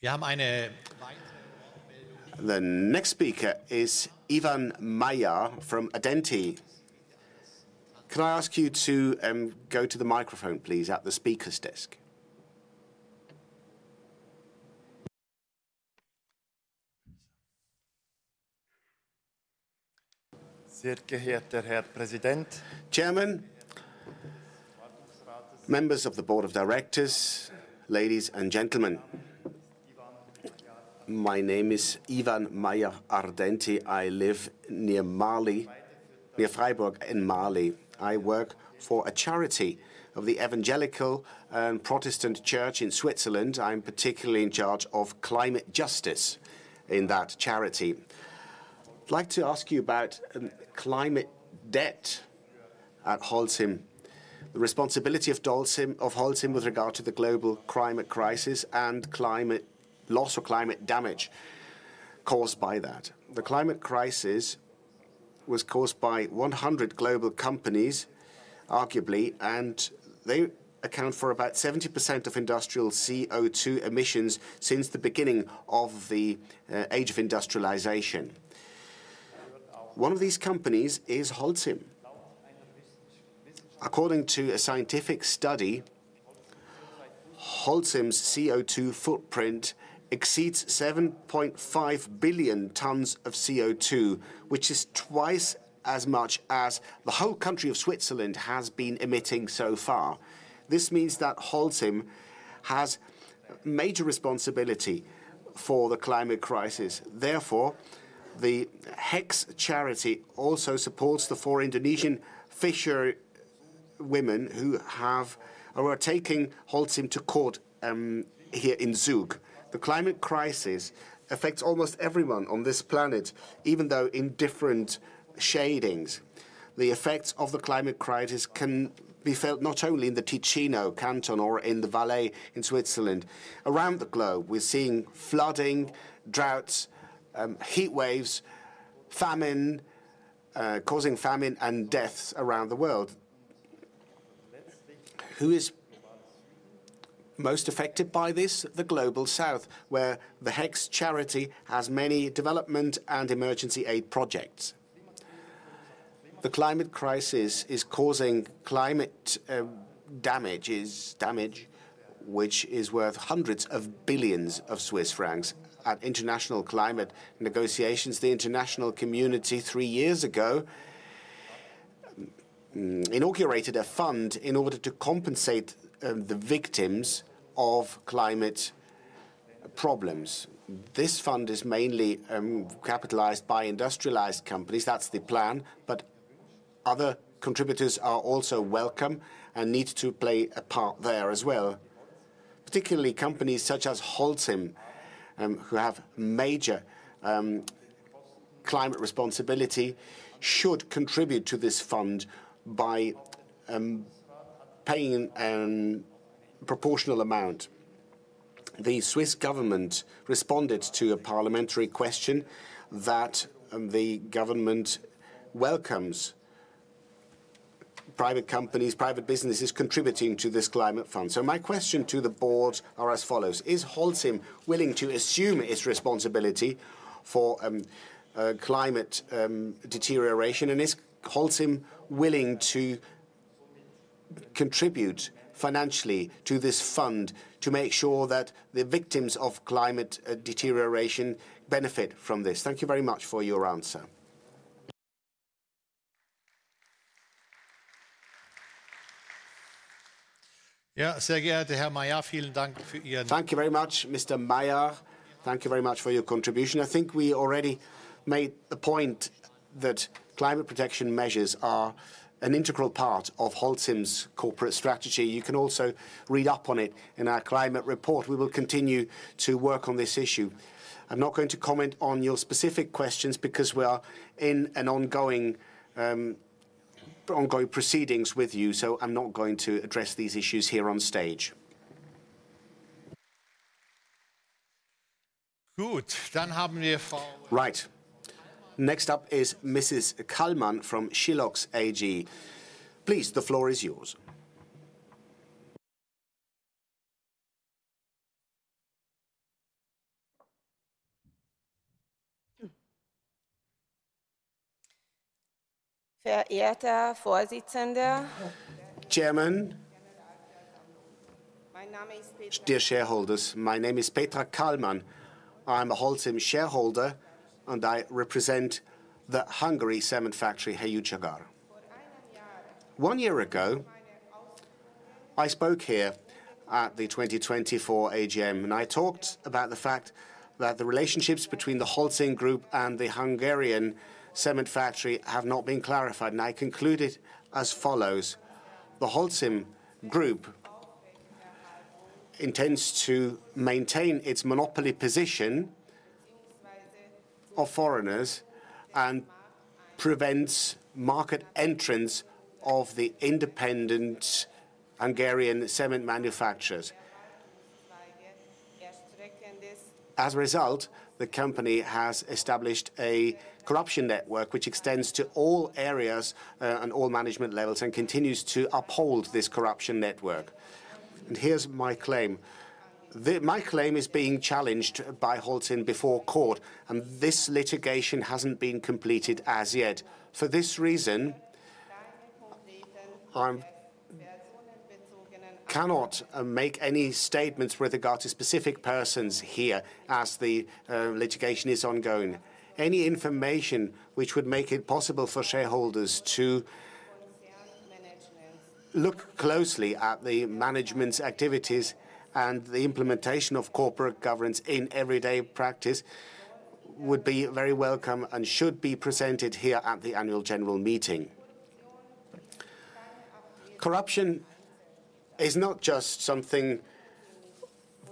Wir haben eine weitere Wortmeldung. The next speaker is Ivan Meier from Ardenti. Can I ask you to go to the microphone, please, at the speaker's desk? Sehr geehrter Herr Präsident, Chairman, members of the Board of Directors, ladies and gentlemen. My name is Ivan Meier Ardenti. I live near Freiburg in Mali. I work for a charity of the Evangelical and Protestant Church in Switzerland. I'm particularly in charge of climate justice in that charity. I'd like to ask you about climate debt at Holcim, the responsibility of Holcim with regard to the global climate crisis and climate loss or climate damage caused by that. The climate crisis was caused by 100 global companies, arguably, and they account for about 70% of industrial CO2 emissions since the beginning of the age of industrialization. One of these companies is Holcim. According to a scientific study, Holcim's CO2 footprint exceeds 7.5 billion tons of CO2, which is twice as much as the whole country of Switzerland has been emitting so far. This means that Holcim has major responsibility for the climate crisis. Therefore, the HEX charity also supports the four Indonesian fisher women who are taking Holcim to court here in Zug. The climate crisis affects almost everyone on this planet, even though in different shadings. The effects of the climate crisis can be felt not only in the Ticino Canton or in the Valais in Switzerland. Around the globe, we're seeing flooding, droughts, heat waves, causing famine and deaths around the world. Who is most affected by this? The Global South, where the HEX charity has many development and emergency aid projects. The climate crisis is causing climate damage, which is worth hundreds of billions of CHF. At international climate negotiations, the international community three years ago inaugurated a fund in order to compensate the victims of climate problems. This fund is mainly capitalized by industrialized companies. That is the plan. Other contributors are also welcome and need to play a part there as well. Particularly companies such as Holcim, who have major climate responsibility, should contribute to this fund by paying a proportional amount. The Swiss government responded to a parliamentary question that the government welcomes private companies, private businesses contributing to this climate fund. So my question to the board is as follows: Is Holcim willing to assume its responsibility for climate deterioration, and is Holcim willing to contribute financially to this fund to make sure that the victims of climate deterioration benefit from this? Thank you very much for your answer. Ja, sehr geehrter Herr Meier, vielen Dank für Ihr. Thank you very much, Mr. Meier. Thank you very much for your contribution. I think we already made the point that climate protection measures are an integral part of Holcim's corporate strategy. You can also read up on it in our climate report. We will continue to work on this issue. I'm not going to comment on your specific questions because we are in ongoing proceedings with you, so I'm not going to address these issues here on stage. Gut, dann haben wir Frau. Right. Next up is Mrs. Kallmann from Schlouch's AG. Please, the floor is yours. Verehrter Vorsitzender. Chairman. Mein Name ist. Dear shareholders, my name is Petra Kallmann. I'm a Holcim shareholder, and I represent the Hungary Cement Factory, Hejúcsagar. One year ago, I spoke here at the 2024 AGM, and I talked about the fact that the relationships between the Holcim Group and the Hungarian Cement Factory have not been clarified. I concluded as follows: The Holcim Group intends to maintain its monopoly position of foreigners and prevent market entrance of the independent Hungarian cement manufacturers. As a result, the company has established a corruption network which extends to all areas and all management levels and continues to uphold this corruption network. Here's my claim. My claim is being challenged by Holcim before court, and this litigation hasn't been completed as yet. For this reason, I cannot make any statements with regard to specific persons here as the litigation is ongoing. Any information which would make it possible for shareholders to look closely at the management's activities and the implementation of corporate governance in everyday practice would be very welcome and should be presented here at the annual general meeting. Corruption is not just something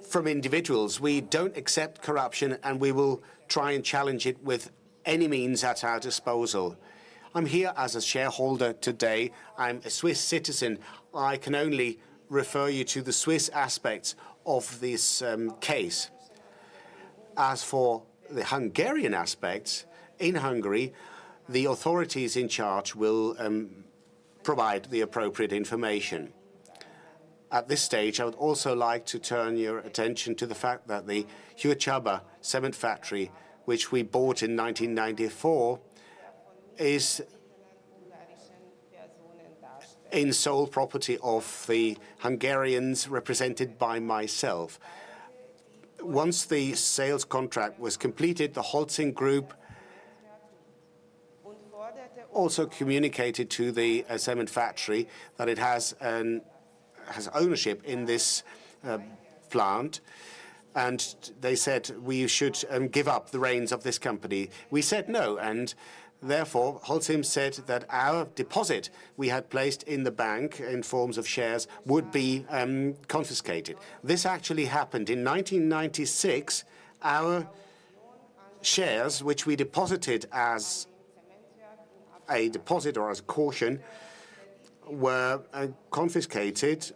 from individuals. We do not accept corruption, and we will try and challenge it with any means at our disposal. I am here as a shareholder today. I am a Swiss citizen. I can only refer you to the Swiss aspects of this case. As for the Hungarian aspects in Hungary, the authorities in charge will provide the appropriate information. At this stage, I would also like to turn your attention to the fact that the Hejúcsagar Cement Factory, which we bought in 1994, is in sole property of the Hungarians represented by myself. Once the sales contract was completed, the Holcim Group also communicated to the cement factory that it has ownership in this plant, and they said we should give up the reins of this company. We said no, and therefore Holcim said that our deposit we had placed in the bank in forms of shares would be confiscated. This actually happened in 1996. Our shares, which we deposited as a deposit or as a caution, were confiscated,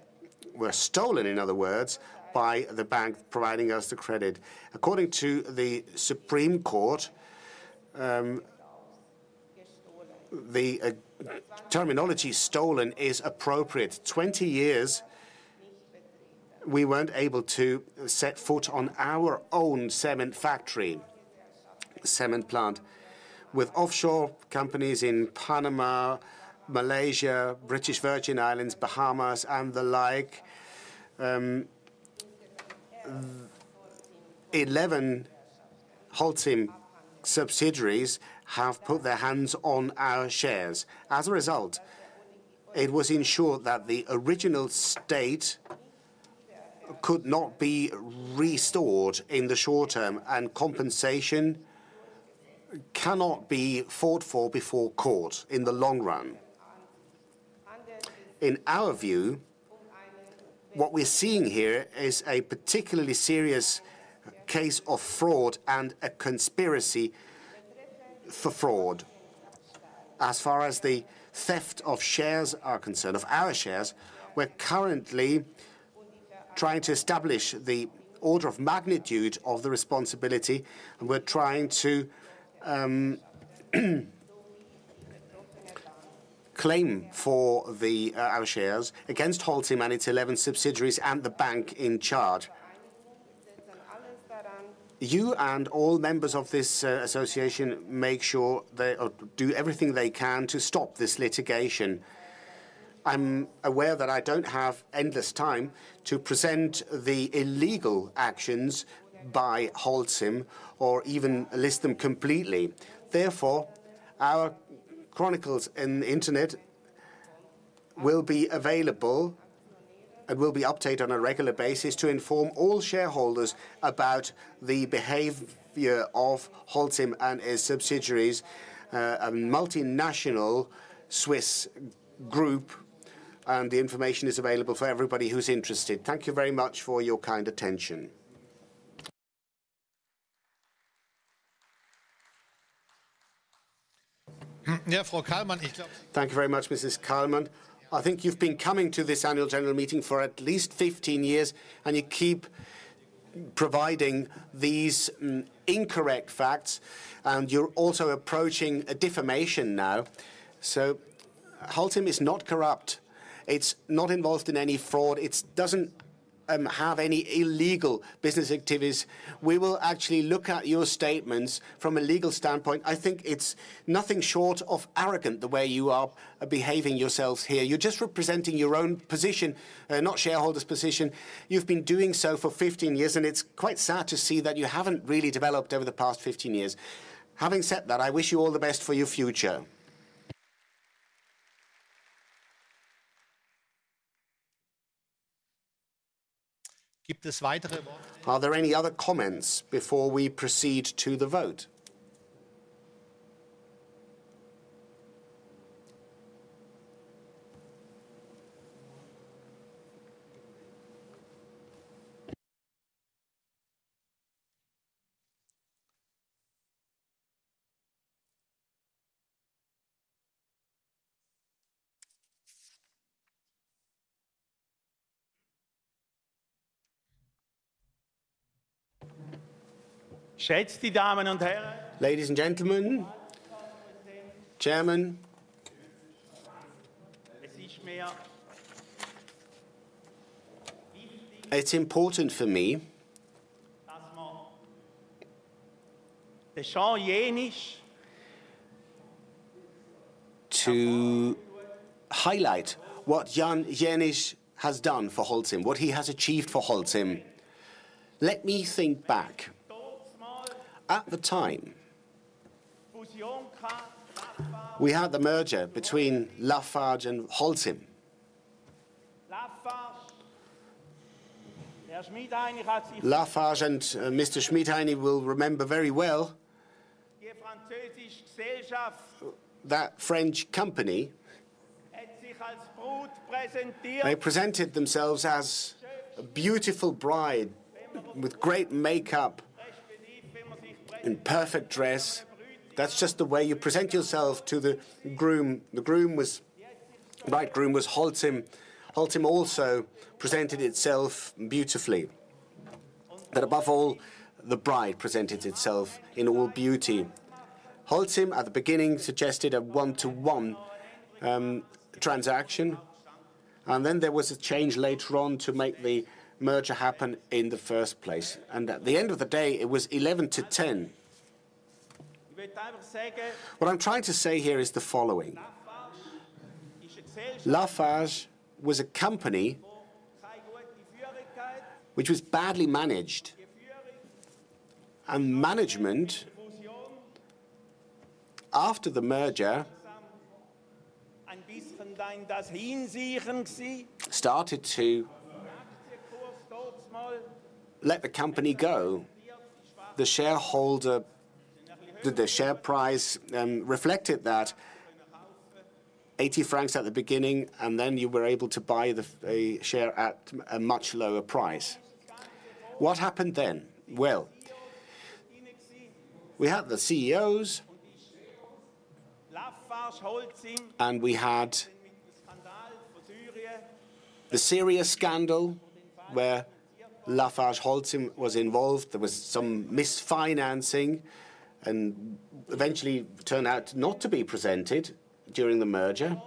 were stolen, in other words, by the bank providing us the credit. According to the Supreme Court, the terminology "stolen" is appropriate. Twenty years, we weren't able to set foot on our own cement factory, cement plant with offshore companies in Panama, Malaysia, British Virgin Islands, Bahamas, and the like. Eleven Holcim subsidiaries have put their hands on our shares. As a result, it was ensured that the original state could not be restored in the short term, and compensation cannot be fought for before court in the long run. In our view, what we're seeing here is a particularly serious case of fraud and a conspiracy for fraud. As far as the theft of shares are concerned, of our shares, we're currently trying to establish the order of magnitude of the responsibility, and we're trying to claim for our shares against Holcim and its eleven subsidiaries and the bank in charge. You and all members of this association make sure they do everything they can to stop this litigation. I'm aware that I don't have endless time to present the illegal actions by Holcim or even list them completely. Therefore, our chronicles on the internet will be available and will be updated on a regular basis to inform all shareholders about the behavior of Holcim and its subsidiaries, a multinational Swiss group, and the information is available for everybody who's interested. Thank you very much for your kind attention. Ja, Frau Kallmann, ich glaube. Thank you very much, Mrs. Kallmann. I think you've been coming to this annual general meeting for at least fifteen years, and you keep providing these incorrect facts, and you're also approaching a defamation now. Holcim is not corrupt. It's not involved in any fraud. It doesn't have any illegal business activities. We will actually look at your statements from a legal standpoint. I think it's nothing short of arrogant, the way you are behaving yourselves here. You're just representing your own position, not shareholders' position. You've been doing so for fifteen years, and it's quite sad to see that you haven't really developed over the past fifteen years. Having said that, I wish you all the best for your future. Gibt es weitere Worte? Are there any other comments before we proceed to the vote? Schätzte Damen und Herren. Ladies and gentlemen. Chairman. Es ist mir wichtig. It's important for me. Das war. The Jan Jenisch. To highlight what Jan Jenisch has done for Holcim, what he has achieved for Holcim. Let me think back. At the time. We had the merger between Lafarge and Holcim. Lafarge and Mr. Schmidheiny will remember very well. That French company. They presented themselves as a beautiful bride with great makeup and perfect dress. That's just the way you present yourself to the groom. The groom was right. The groom was Holcim. Holcim also presented itself beautifully. Above all, the bride presented itself in all beauty. Holcim at the beginning suggested a one-to-one transaction, and then there was a change later on to make the merger happen in the first place. At the end of the day, it was 11 to 10. What I'm trying to say here is the following. Lafarge was a company which was badly managed, and management after the merger started to let the company go. The share price reflected that, 80 francs at the beginning, and then you were able to buy the share at a much lower price. What happened then? We had the CEOs and we had the serious scandal where Lafarge Holcim was involved. There was some misfinancing, and eventually it turned out not to be presented during the merger.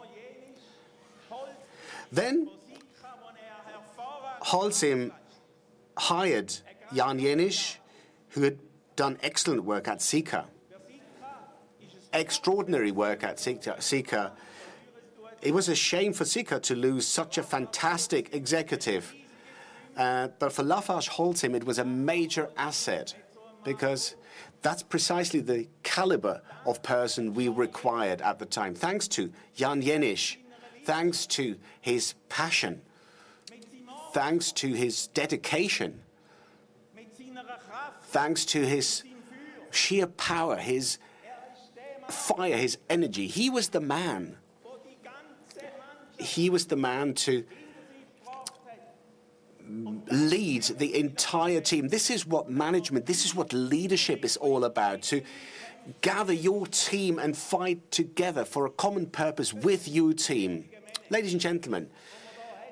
Then Holcim hired Jan Jenisch, who had done excellent work at Sika. Extraordinary work at Sika. It was a shame for Sika to lose such a fantastic executive. For Lafarge Holcim, it was a major asset because that's precisely the caliber of person we required at the time, thanks to Jan Jenisch, thanks to his passion, thanks to his dedication, thanks to his sheer power, his fire, his energy. He was the man. He was the man to lead the entire team. This is what management, this is what leadership is all about, to gather your team and fight together for a common purpose with your team. Ladies and gentlemen,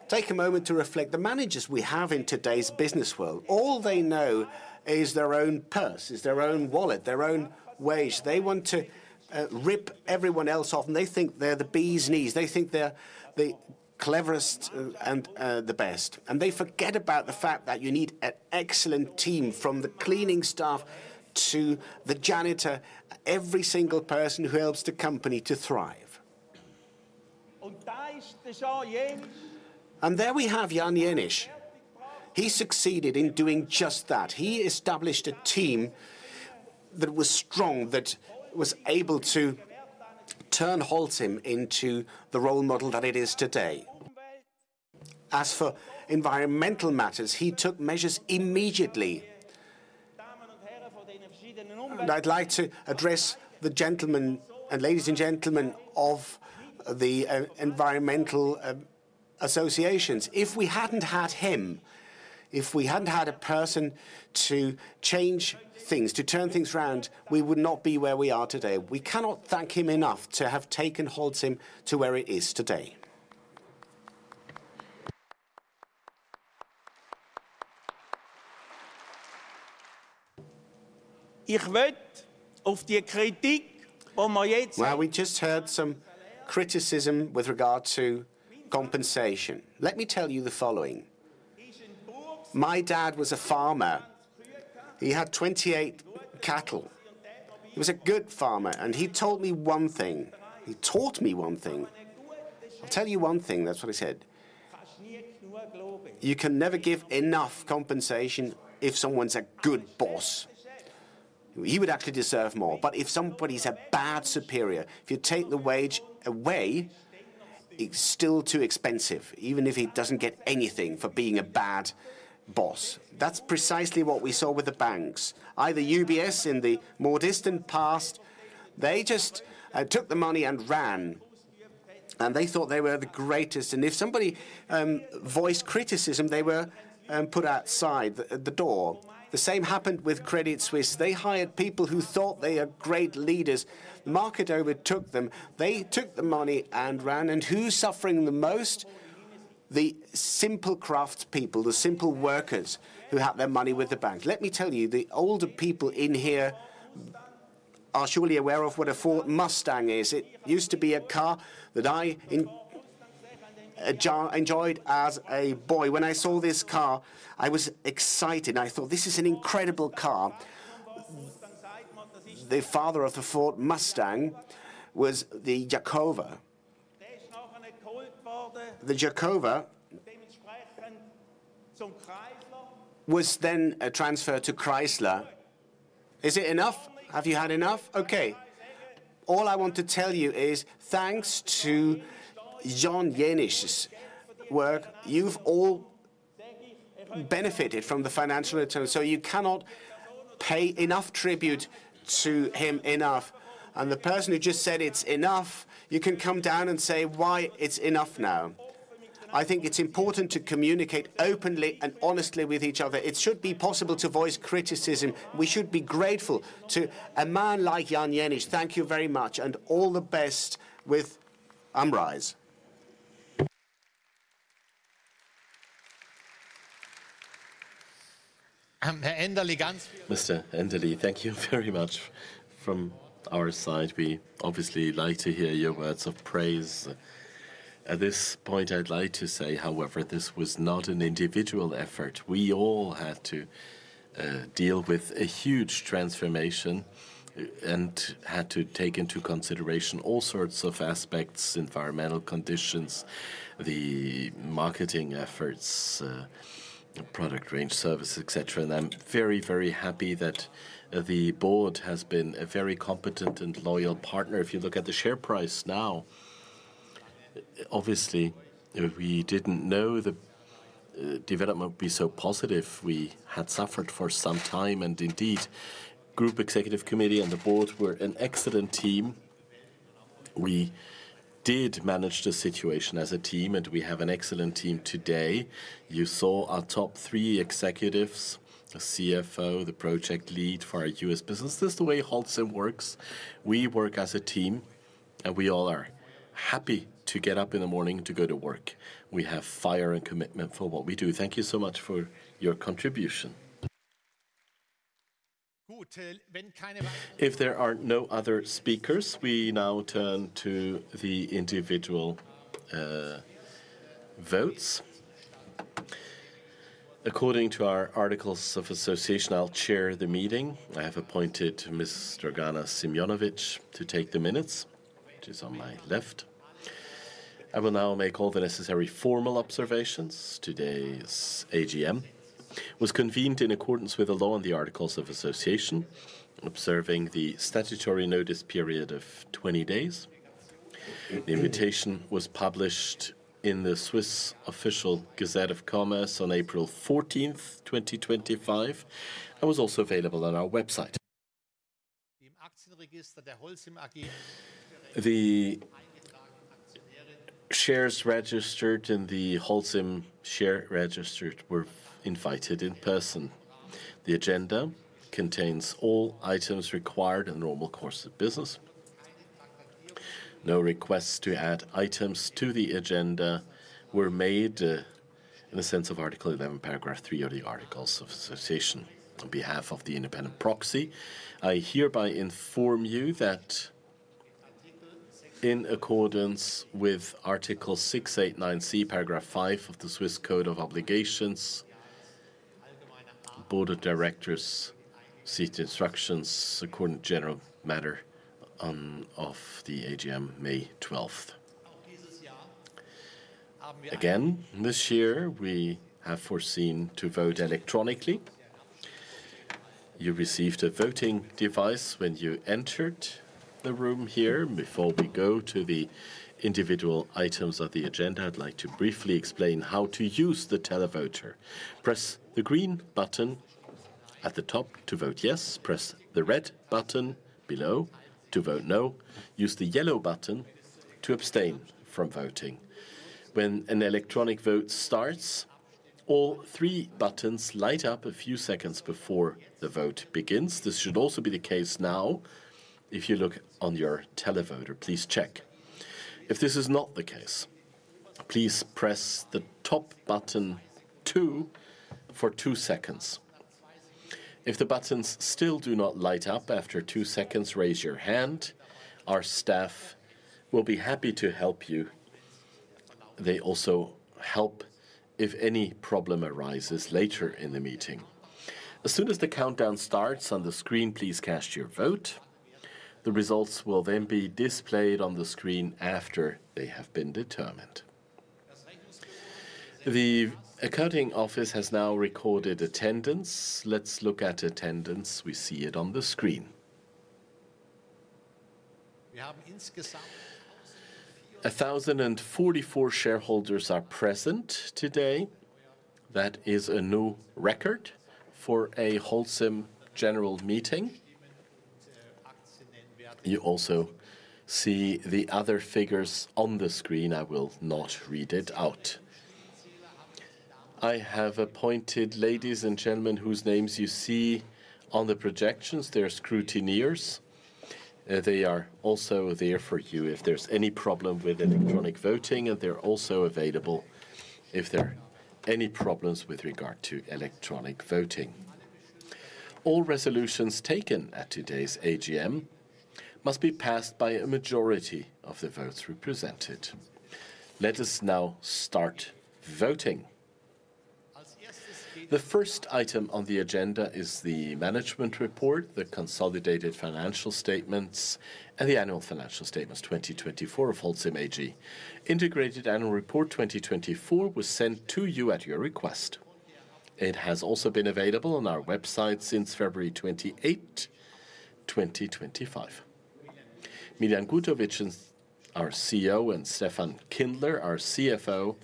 take a moment to reflect. The managers we have in today's business world, all they know is their own purse, is their own wallet, their own wage. They want to rip everyone else off, and they think they're the bees' knees. They think they're the cleverest and the best. They forget about the fact that you need an excellent team, from the cleaning staff to the janitor, every single person who helps the company to thrive. There we have Jan Jenisch. He succeeded in doing just that. He established a team that was strong, that was able to turn Holcim into the role model that it is today. As for environmental matters, he took measures immediately. I'd like to address the gentlemen and ladies and gentlemen of the environmental associations. If we hadn't had him, if we hadn't had a person to change things, to turn things around, we would not be where we are today. We cannot thank him enough to have taken Holcim to where it is today. Ich wette auf die Kritik, wo wir jetzt. We just heard some criticism with regard to compensation. Let me tell you the following. My dad was a farmer. He had 28 cattle. He was a good farmer, and he told me one thing. He taught me one thing. I'll tell you one thing. That's what he said. You can never give enough compensation if someone's a good boss. He would actually deserve more. If somebody's a bad superior, if you take the wage away, it's still too expensive, even if he doesn't get anything for being a bad boss. That's precisely what we saw with the banks. Either UBS in the more distant past, they just took the money and ran, and they thought they were the greatest. If somebody voiced criticism, they were put outside the door. The same happened with Credit Suisse. They hired people who thought they were great leaders. The market overtook them. They took the money and ran. Who is suffering the most? The simple craft people, the simple workers who have their money with the bank. Let me tell you, the older people in here are surely aware of what a Ford Mustang is. It used to be a car that I enjoyed as a boy. When I saw this car, I was excited. I thought, this is an incredible car. The father of the Ford Mustang was the Jacobo. The Jacobo was then transferred to Chrysler. Is it enough? Have you had enough? Okay. All I want to tell you is, thanks to Jan Jenisch's work, you've all benefited from the financial return. You cannot pay enough tribute to him enough. The person who just said it's enough, you can come down and say why it's enough now. I think it's important to communicate openly and honestly with each other. It should be possible to voice criticism. We should be grateful to a man like Jan Jenisch. Thank you very much, and all the best with AmRise. Herr Endelig. Mr. Endelig, thank you very much. From our side, we obviously like to hear your words of praise. At this point, I'd like to say, however, this was not an individual effort. We all had to deal with a huge transformation and had to take into consideration all sorts of aspects: environmental conditions, the marketing efforts, product range, services, etc. I'm very, very happy that the board has been a very competent and loyal partner. If you look at the share price now, obviously, we didn't know the development would be so positive. We had suffered for some time, and indeed, the Group Executive Committee and the board were an excellent team. We did manage the situation as a team, and we have an excellent team today. You saw our top three executives: the CFO, the project lead for our U.S. business. This is the way Holcim works. We work as a team, and we all are happy to get up in the morning to go to work. We have fire and commitment for what we do. Thank you so much for your contribution. Wenn keine If there are no other speakers, we now turn to the individual votes. According to our articles of association, I'll chair the meeting. I have appointed Mr. Dragan Simionovic to take the minutes, who is on my left. I will now make all the necessary formal observations. Today's AGM was convened in accordance with the law and the articles of association, observing the statutory notice period of twenty days. The invitation was published in the Swiss Official Gazette of Commerce on April 14th, 2025, and was also available on our website. The shares registered in the Holcim share register were invited in person. The agenda contains all items required in the normal course of business. No requests to add items to the agenda were made in the sense of Article 11, Paragraph three of the articles of association. On behalf of the independent proxy, I hereby inform you that in accordance with Article 689C, Paragraph five of the Swiss Code of Obligations, the board of directors seeks instructions according to general matter on of the AGM May 12th. Again, this year, we have foreseen to vote electronically. You received a voting device when you entered the room here. Before we go to the individual items of the agenda, I'd like to briefly explain how to use the televoter. Press the green button at the top to vote yes. Press the red button below to vote no. Use the yellow button to abstain from voting. When an electronic vote starts, all three buttons light up a few seconds before the vote begins. This should also be the case now. If you look on your televoter, please check. If this is not the case, please press the top button two for two seconds. If the buttons still do not light up after two seconds, raise your hand. Our staff will be happy to help you. They also help if any problem arises later in the meeting. As soon as the countdown starts on the screen, please cast your vote. The results will then be displayed on the screen after they have been determined. The accounting office has now recorded attendance. Let's look at attendance. We see it on the screen. Wir haben insgesamt 1,044 shareholders are present today. That is a new record for a Holcim general meeting. You also see the other figures on the screen. I will not read it out. I have appointed ladies and gentlemen whose names you see on the projections. They're scrutineers. They are also there for you if there's any problem with electronic voting, and they're also available if there are any problems with regard to electronic voting. All resolutions taken at today's AGM must be passed by a majority of the votes represented. Let us now start voting. The first item on the agenda is the management report, the consolidated financial statements, and the annual financial statements 2024 of Holcim. Integrated annual report 2024 was sent to you at your request. It has also been available on our website since February 28th, 2025. Miljan Gutovic is our CEO, and Steffen Kindler, our CFO,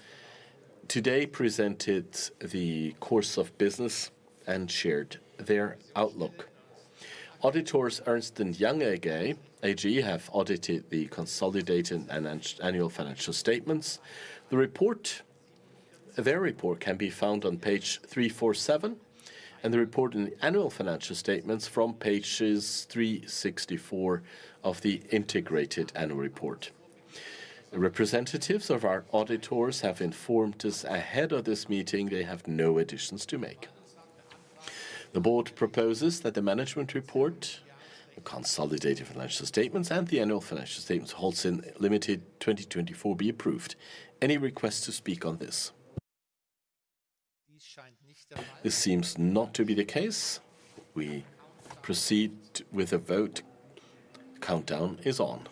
today presented the course of business and shared their outlook. Auditors Ernst & Young AG have audited the consolidated and annual financial statements. Their report can be found on page 347, and the report in the annual financial statements from pages 364 of the integrated annual report. Representatives of our auditors have informed us ahead of this meeting they have no additions to make. The board proposes that the management report, the consolidated financial statements, and the annual financial statements of Holcim Limited 2024 be approved. Any requests to speak on this? This seems not to be the case. We proceed with a vote. Countdown is on.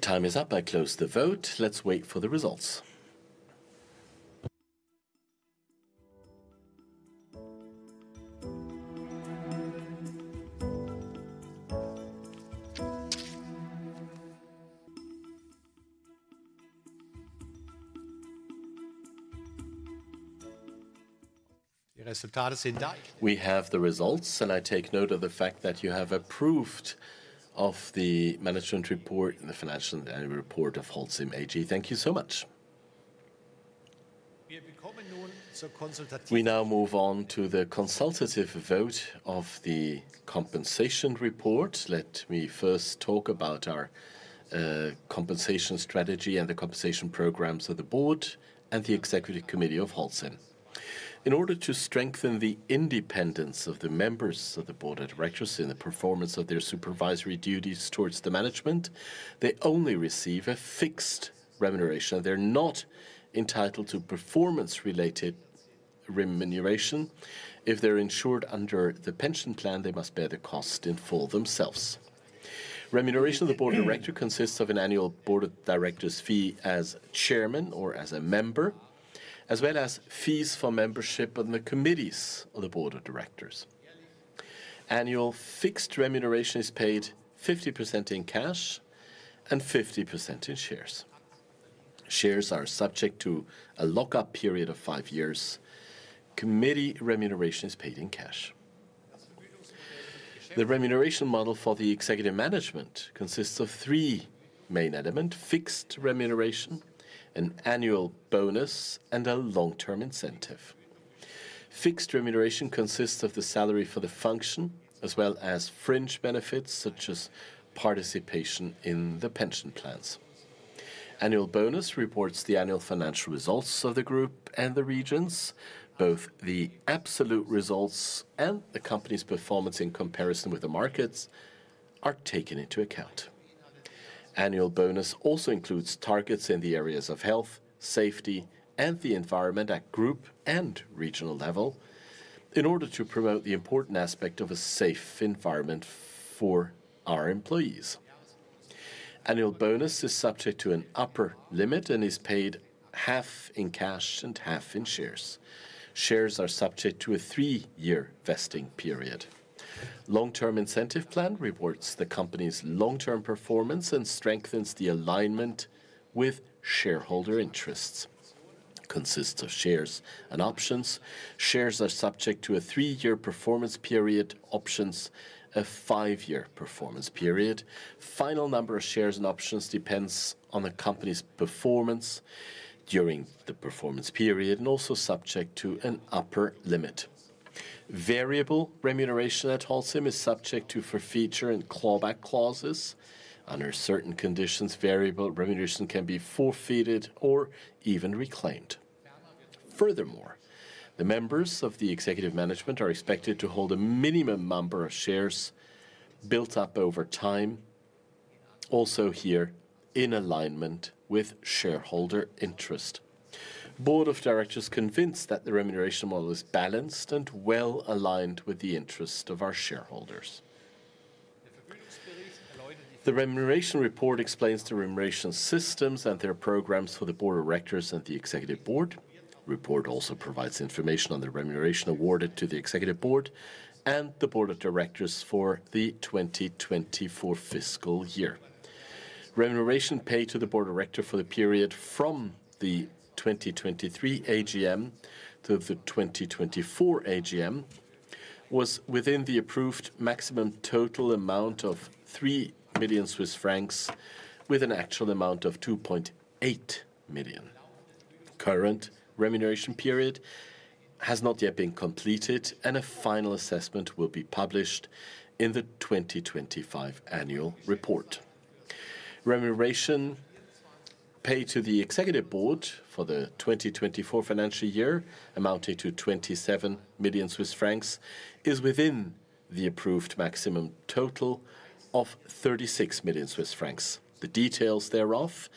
Time is up. I close the vote. Let's wait for the results. Die Resultate sind. We have the results, and I take note of the fact that you have approved of the management report and the financial annual report of Holcim AG. Thank you so much. Wir now move on to the consultative vote of the compensation report. Let me first talk about our compensation strategy and the compensation programs of the board and the executive committee of Holcim. In order to strengthen the independence of the members of the board of directors in the performance of their supervisory duties towards the management, they only receive a fixed remuneration. They're not entitled to performance-related remuneration. If they're insured under the pension plan, they must bear the cost in full themselves. Remuneration of the board of directors consists of an annual board of directors fee as chairman or as a member, as well as fees for membership on the committees of the board of directors. Annual fixed remuneration is paid 50% in cash and 50% in shares. Shares are subject to a lock-up period of five years. Committee remuneration is paid in cash. The remuneration model for the executive management consists of three main elements: fixed remuneration, an annual bonus, and a long-term incentive. Fixed remuneration consists of the salary for the function, as well as fringe benefits such as participation in the pension plans. Annual bonus reports the annual financial results of the group and the regions. Both the absolute results and the company's performance in comparison with the markets are taken into account. Annual bonus also includes targets in the areas of health, safety, and the environment at group and regional level in order to promote the important aspect of a safe environment for our employees. Annual bonus is subject to an upper limit and is paid half in cash and half in shares. Shares are subject to a three-year vesting period. Long-term incentive plan reports the company's long-term performance and strengthens the alignment with shareholder interests. Consists of shares and options. Shares are subject to a three-year performance period. Options have a five-year performance period. Final number of shares and options depends on the company's performance during the performance period and is also subject to an upper limit. Variable remuneration at Holcim is subject to forfeiture and clawback clauses. Under certain conditions, variable remuneration can be forfeited or even reclaimed. Furthermore, the members of the executive management are expected to hold a minimum number of shares built up over time, also here in alignment with shareholder interest. Board of Directors convinced that the remuneration model is balanced and well aligned with the interests of our shareholders. The remuneration report explains the remuneration systems and their programs for the Board of Directors and the executive board. The report also provides information on the remuneration awarded to the executive board and the board of directors for the 2024 fiscal year. Remuneration paid to the board of directors for the period from the 2023 AGM to the 2024 AGM was within the approved maximum total amount of 3 million Swiss francs, with an actual amount of 2.8 million. Current remuneration period has not yet been completed, and a final assessment will be published in the 2025 annual report. Remuneration paid to the executive board for the 2024 financial year, amounting to 27 million Swiss francs, is within the approved maximum total of 36 million Swiss francs. The details thereof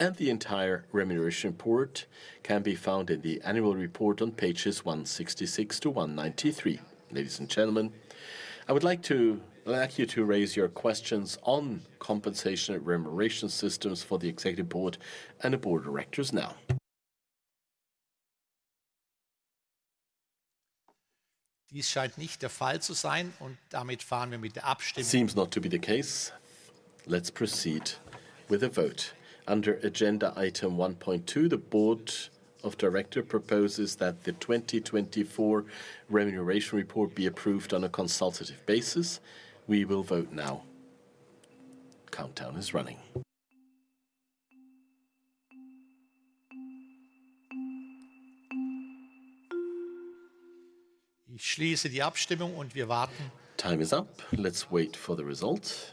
and the entire remuneration report can be found in the annual report on pages 166 to 193. Ladies and gentlemen, I would like you to raise your questions on compensation and remuneration systems for the executive board and the board of directors now. Dies scheint nicht der Fall zu sein, und damit fahren wir mit der Abstimmung. Seems not to be the case. Let's proceed with a vote. Under agenda item 1.2, the board of directors proposes that the 2024 remuneration report be approved on a consultative basis. We will vote now. Countdown is running. Ich schließe die Abstimmung, und wir warten. Time is up. Let's wait for the result. Ich stelle fest, dass.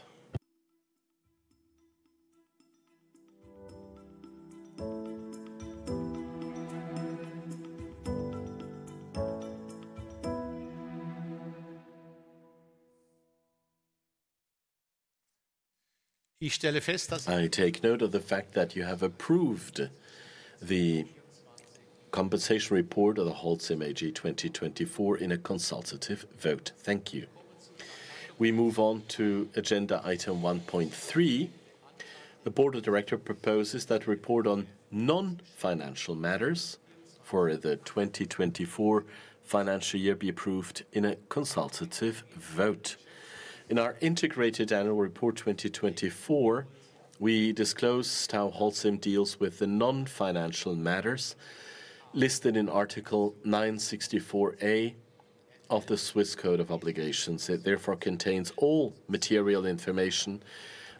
I take note of the fact that you have approved the compensation report of Holcim 2024 in a consultative vote. Thank you. We move on to agenda item 1.3. The board of directors proposes that the report on non-financial matters for the 2024 financial year be approved in a consultative vote. In our integrated annual report 2024, we disclose how Holcim deals with the non-financial matters listed in Article 964A of the Swiss Code of Obligations. It therefore contains all material information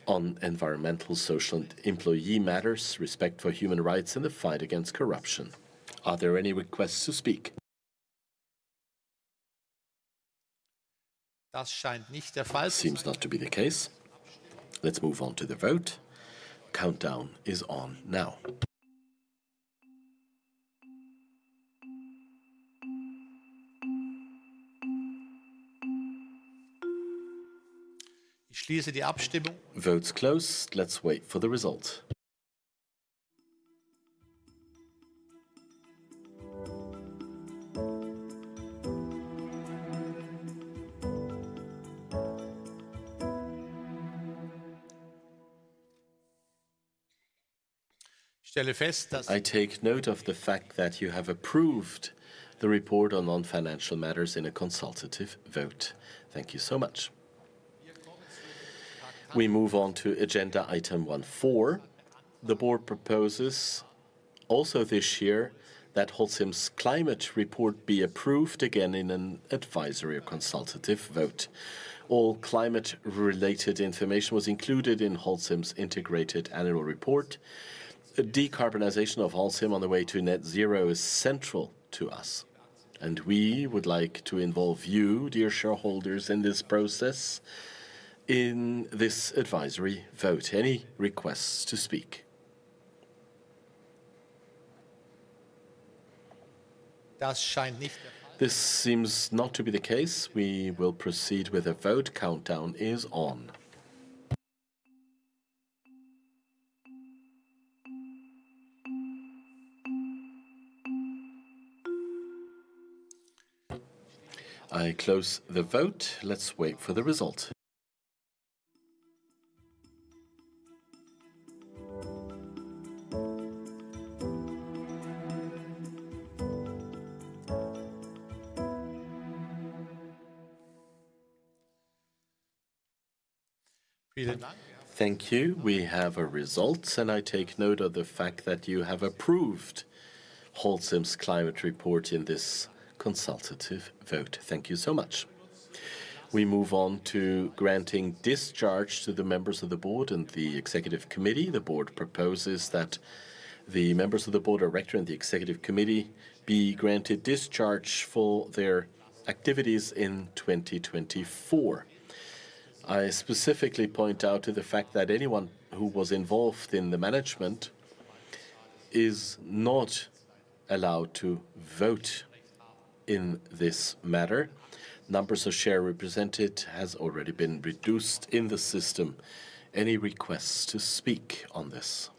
on environmental, social, and employee matters, respect for human rights, and the fight against corruption. Are there any requests to speak? Das scheint nicht der Fall zu sein. Seems not to be the case. Let's move on to the vote. Countdown is on now. Ich schließe die Abstimmung. Vote's closed. Let's wait for the result. Ich stelle fest, dass. I take note of the fact that you have approved the report on non-financial matters in a consultative vote. Thank you so much. We move on to agenda item 1.4. The board proposes also this year that Holcim's climate report be approved again in an advisory or consultative vote. All climate-related information was included in Holcim's integrated annual report. Decarbonization of Holcim on the way to net zero is central to us, and we would like to involve you, dear shareholders, in this process, in this advisory vote. Any requests to speak? Das scheint nicht der Fall zu sein. This seems not to be the case. We will proceed with a vote. Countdown is on. I close the vote. Let's wait for the result. Vielen Dank. Thank you. We have a result, and I take note of the fact that you have approved Holcim's climate report in this consultative vote. Thank you so much. We move on to granting discharge to the members of the board and the executive committee. The board proposes that the members of the board of directors and the executive committee be granted discharge for their activities in 2024. I specifically point out to the fact that anyone who was involved in the management is not allowed to vote in this matter. Numbers of shares represented have already been reduced in the system. Any requests to speak on this?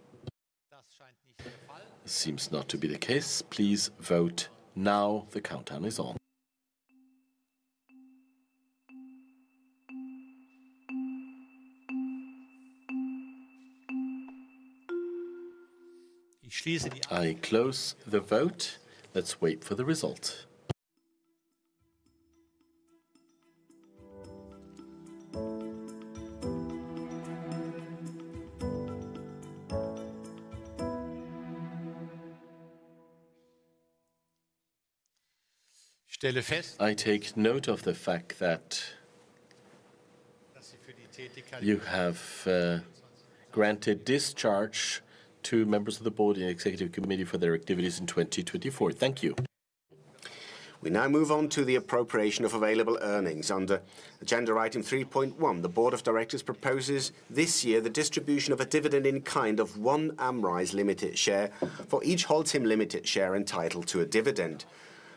Das scheint nicht der Fall zu sein. Seems not to be the case. Please vote now. The countdown is on. Ich schließe die Abstimmung. I close the vote. Let's wait for the result. Ich stelle fest, I take note of the fact that you have granted discharge to members of the board and the executive committee for their activities in 2024. Thank you. We now move on to the appropriation of available earnings. Under agenda item 3.1, the Board of Directors proposes this year the distribution of a dividend in kind of one AmRise Limited share for each Holcim Limited share entitled to a dividend.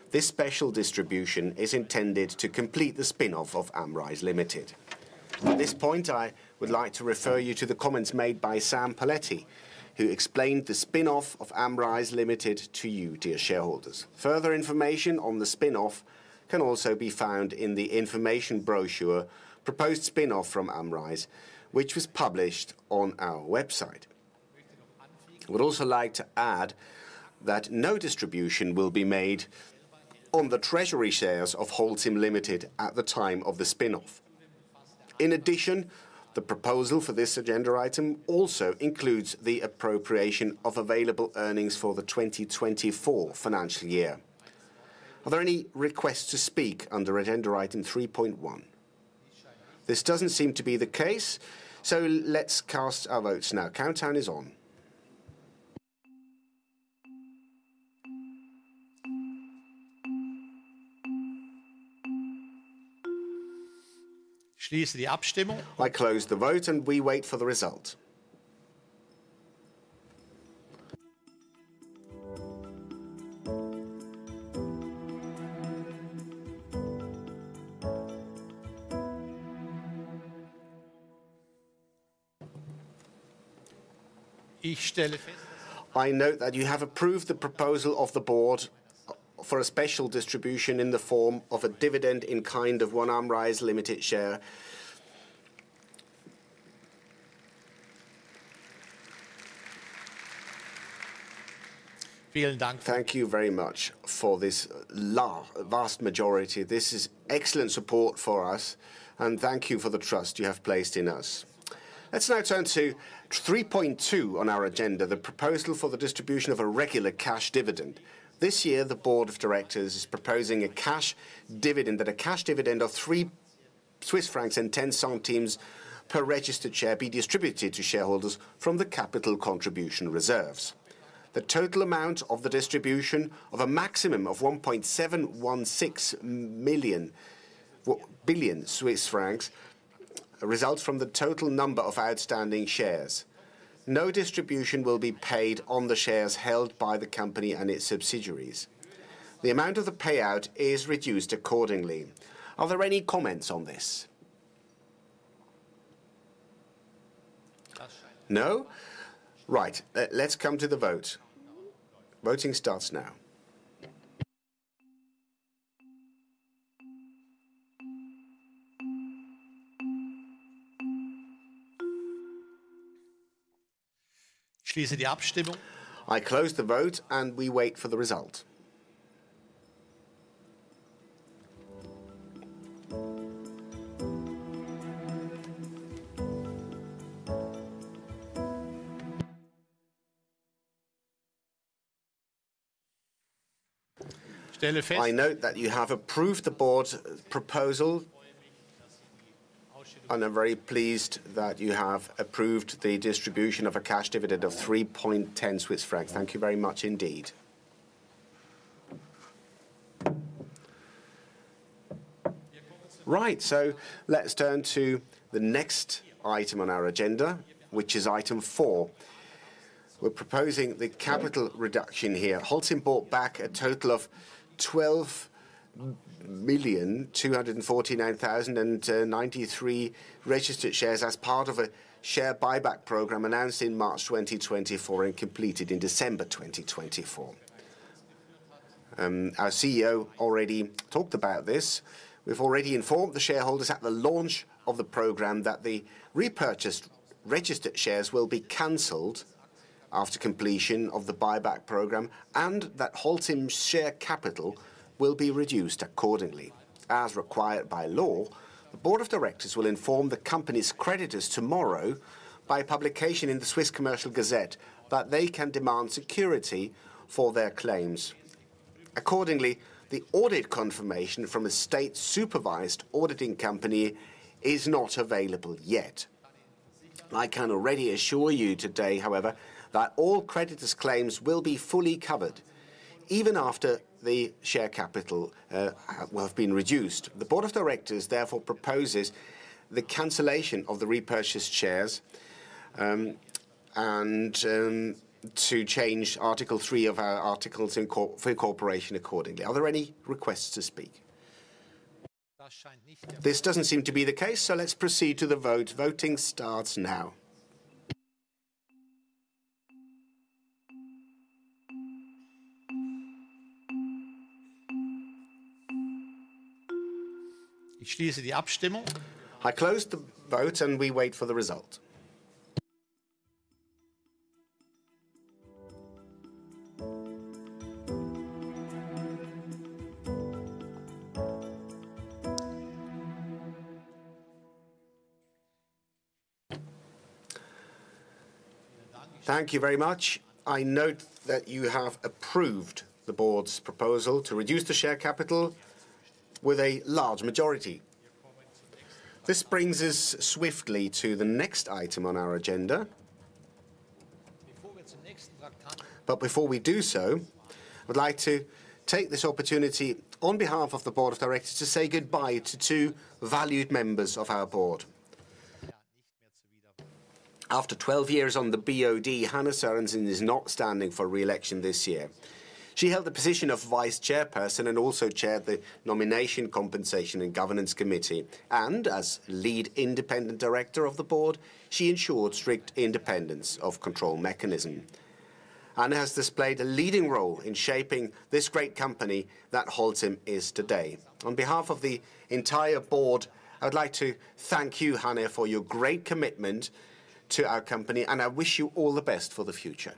This special distribution is intended to complete the spin-off of AmRise Limited. At this point, I would like to refer you to the comments made by Sam Poletti, who explained the spin-off of AmRise Limited to you, dear shareholders. Further information on the spin-off can also be found in the information brochure, "Proposed Spin-off from AmRise," which was published on our website. I would also like to add that no distribution will be made on the treasury shares of Holcim Limited at the time of the spin-off. In addition, the proposal for this agenda item also includes the appropriation of available earnings for the 2024 financial year. Are there any requests to speak under agenda item 3.1? This does not seem to be the case, so let's cast our votes now. Countdown is on. Ich schließe die Abstimmung. I close the vote, and we wait for the result. Ich stelle fest, I note that you have approved the proposal of the board for a special distribution in the form of a dividend in kind of one AmRise Limited share. Vielen Dank. Thank you very much for this vast majority. This is excellent support for us, and thank you for the trust you have placed in us. Let's now turn to 3.2 on our agenda, the proposal for the distribution of a regular cash dividend. This year, the Board of Directors is proposing a cash dividend that a cash dividend of 3.10 Swiss francs per registered share be distributed to shareholders from the capital contribution reserves. The total amount of the distribution of a maximum of 1.716 million results from the total number of outstanding shares. No distribution will be paid on the shares held by the company and its subsidiaries. The amount of the payout is reduced accordingly. Are there any comments on this? No? Right. Let's come to the vote. Voting starts now. Ich schließe die Abstimmung. I close the vote, and we wait for the result. I note that you have approved the board's proposal, and I'm very pleased that you have approved the distribution of a cash dividend of 3.10 Swiss francs. Thank you very much indeed. Right. Let's turn to the next item on our agenda, which is item four. We're proposing the capital reduction here. Holcim bought back a total of 12,249,093 registered shares as part of a share buyback program announced in March 2024 and completed in December 2024. Our CEO already talked about this. We've already informed the shareholders at the launch of the program that the repurchased registered shares will be canceled after completion of the buyback program and that Holcim's share capital will be reduced accordingly. As required by law, the Board of Directors will inform the company's creditors tomorrow by publication in the Swiss Commercial Gazette that they can demand security for their claims. Accordingly, the audit confirmation from a state-supervised auditing company is not available yet. I can already assure you today, however, that all creditors' claims will be fully covered even after the share capital has been reduced. The board of directors therefore proposes the cancellation of the repurchased shares and to change Article three of our articles for cooperation accordingly. Are there any requests to speak? This does not seem to be the case, so let's proceed to the vote. Voting starts now. Ich schließe die Abstimmung. I close the vote, and we wait for the result. Thank you very much. I note that you have approved the board's proposal to reduce the share capital with a large majority. This brings us swiftly to the next item on our agenda. Before we do so, I would like to take this opportunity on behalf of the board of directors to say goodbye to two valued members of our board. After 12 years on the board of directors, Hanne Sørensen is not standing for re-election this year. She held the position of Vice Chairperson and also chaired the Nomination, Compensation, and Governance Committee. As Lead Independent Director of the board, she ensured strict independence of control mechanism. Hanne has displayed a leading role in shaping this great company that Holcim is today. On behalf of the entire board, I would like to thank you, Hanne, for your great commitment to our company, and I wish you all the best for the future.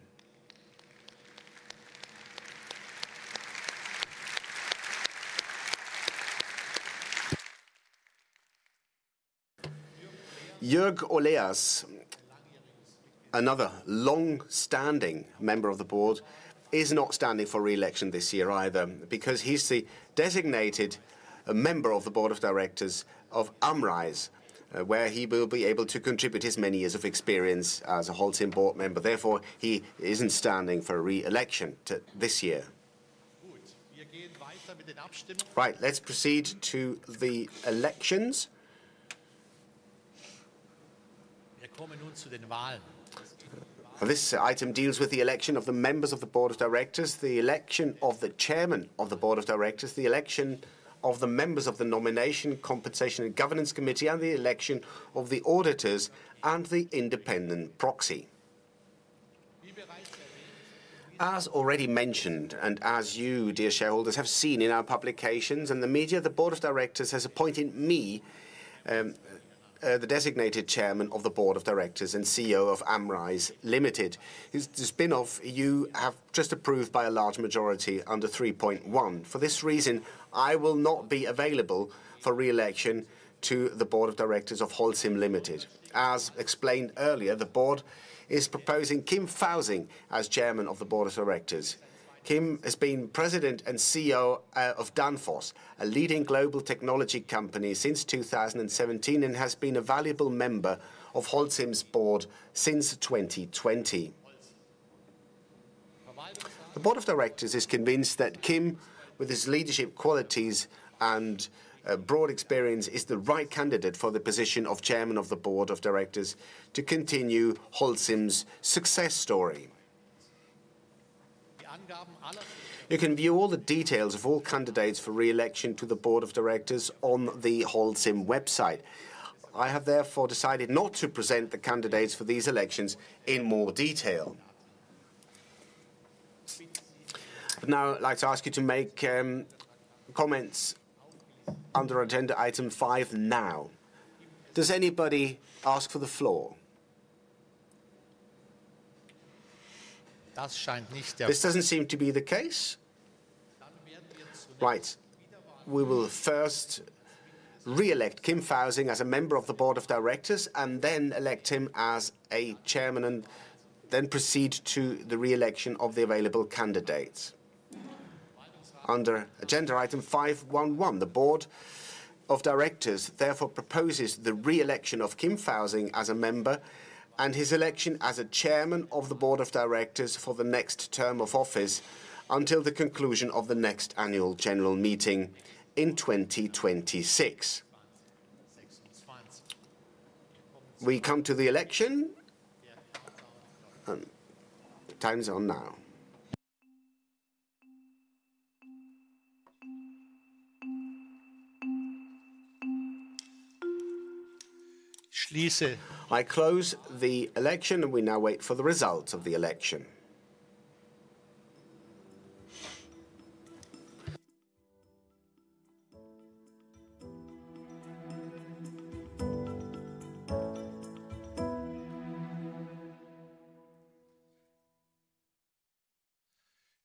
Jörg Oleas, another long-standing member of the board, is not standing for re-election this year either because he's the designated member of the Board of Directors of AmRise, where he will be able to contribute his many years of experience as a Holcim board member. Therefore, he isn't standing for re-election this year. Right. Let's proceed to the elections. Wir kommen nun zu den Wahlen. This item deals with the election of the members of the board of directors, the election of the chairman of the board of directors, the election of the members of the Nomination, Compensation, and Governance Committee, and the election of the auditors and the independent proxy. As already mentioned and as you, dear shareholders, have seen in our publications and the media, the board of directors has appointed me the designated chairman of the board of directors and CEO of AmRise. This spin-off you have just approved by a large majority under 3.1. For this reason, I will not be available for re-election to the board of directors of Holcim. As explained earlier, the board is proposing Kim Fausing as chairman of the board of directors. Kim has been President and CEO of Danfoss, a leading global technology company, since 2017, and has been a valuable member of Holcim's Board since 2020. The Board of Directors is convinced that Kim, with his leadership qualities and broad experience, is the right candidate for the position of Chairman of the Board of Directors to continue Holcim's success story. You can view all the details of all candidates for re-election to the Board of Directors on the Holcim website. I have therefore decided not to present the candidates for these elections in more detail. I'd now like to ask you to make comments under agenda item five now. Does anybody ask for the floor? This doesn't seem to be the case. Right. We will first re-elect Kim Fausing as a member of the board of directors and then elect him as chairman and then proceed to the re-election of the available candidates. Under agenda item 5.1.1, the board of directors therefore proposes the re-election of Kim Fausing as a member and his election as chairman of the board of directors for the next term of office until the conclusion of the next annual general meeting in 2026. We come to the election. Time's on now. Ich schließe die Abstimmung. I close the election, and we now wait for the result of the election.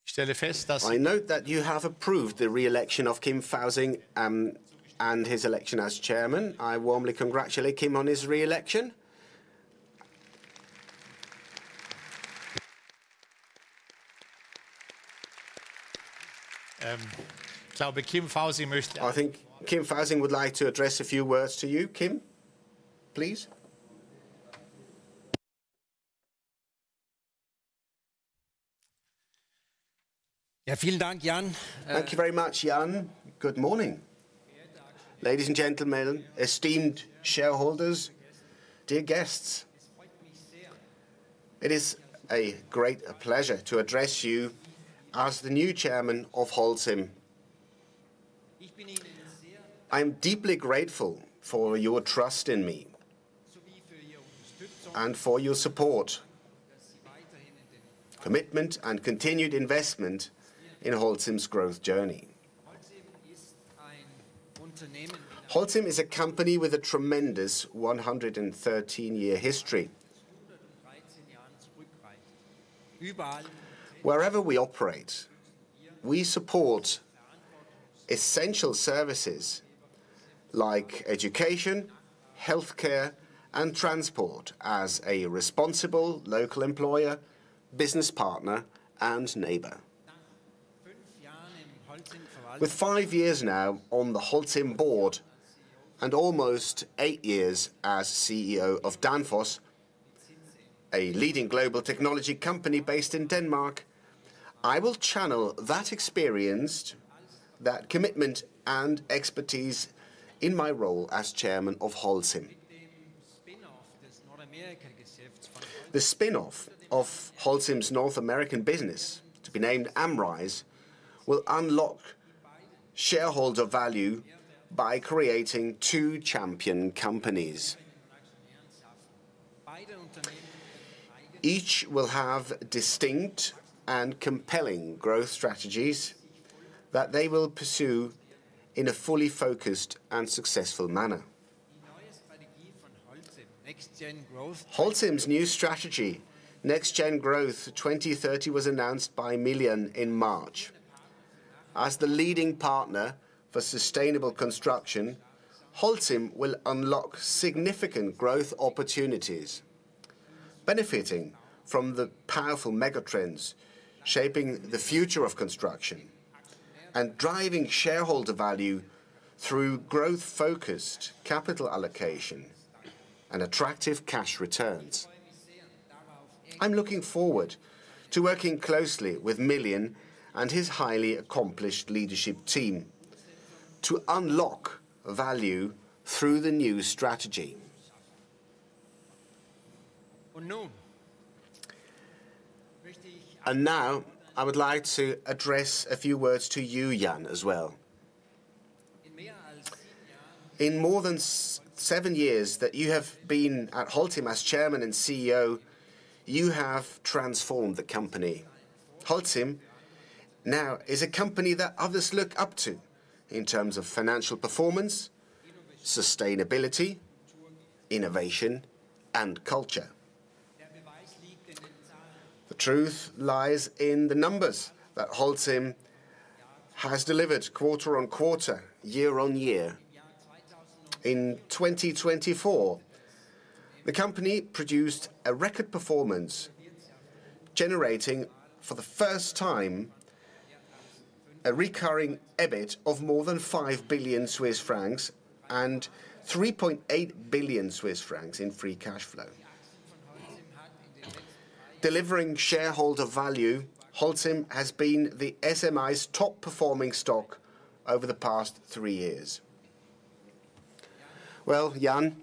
Ich stelle fest, dass. I note that you have approved the re-election of Kim Fausing and his election as chairman. I warmly congratulate Kim on his re-election. Ich glaube, Kim Fausing möchte. I think Kim Fausing would like to address a few words to you, Kim, please. Ja, vielen Dank, Jan. Thank you very much, Jan. Good morning. Ladies and gentlemen, esteemed shareholders, dear guests. It is a great pleasure to address you as the new Chairman of Holcim. I am deeply grateful for your trust in me and for your support, commitment, and continued investment in Holcim's growth journey. Holcim is a company with a tremendous 113-year history. Wherever we operate, we support essential services like education, healthcare, and transport as a responsible local employer, business partner, and neighbor. With five years now on the Holcim board and almost eight years as CEO of Danfoss, a leading global technology company based in Denmark, I will channel that experience, that commitment, and expertise in my role as Chairman of Holcim. The spin-off of Holcim's North American business, to be named AmRise, will unlock shareholder value by creating two champion companies. Each will have distinct and compelling growth strategies that they will pursue in a fully focused and successful manner. Holcim's new strategy, NextGen Growth 2030, was announced by Miljan in March. As the leading partner for sustainable construction, Holcim will unlock significant growth opportunities, benefiting from the powerful megatrends shaping the future of construction and driving shareholder value through growth-focused capital allocation and attractive cash returns. I am looking forward to working closely with Miljan and his highly accomplished leadership team to unlock value through the new strategy. I would like to address a few words to you, Jan, as well. In more than seven years that you have been at Holcim as Chairman and CEO, you have transformed the company. Holcim now is a company that others look up to in terms of financial performance, sustainability, innovation, and culture. The truth lies in the numbers that Holcim has delivered quarter on quarter, year on year. In 2024, the company produced a record performance, generating for the first time a recurring EBIT of more than 5 billion Swiss francs and 3.8 billion Swiss francs in free cash flow. Delivering shareholder value, Holcim has been the SMI's top-performing stock over the past three years. Jan,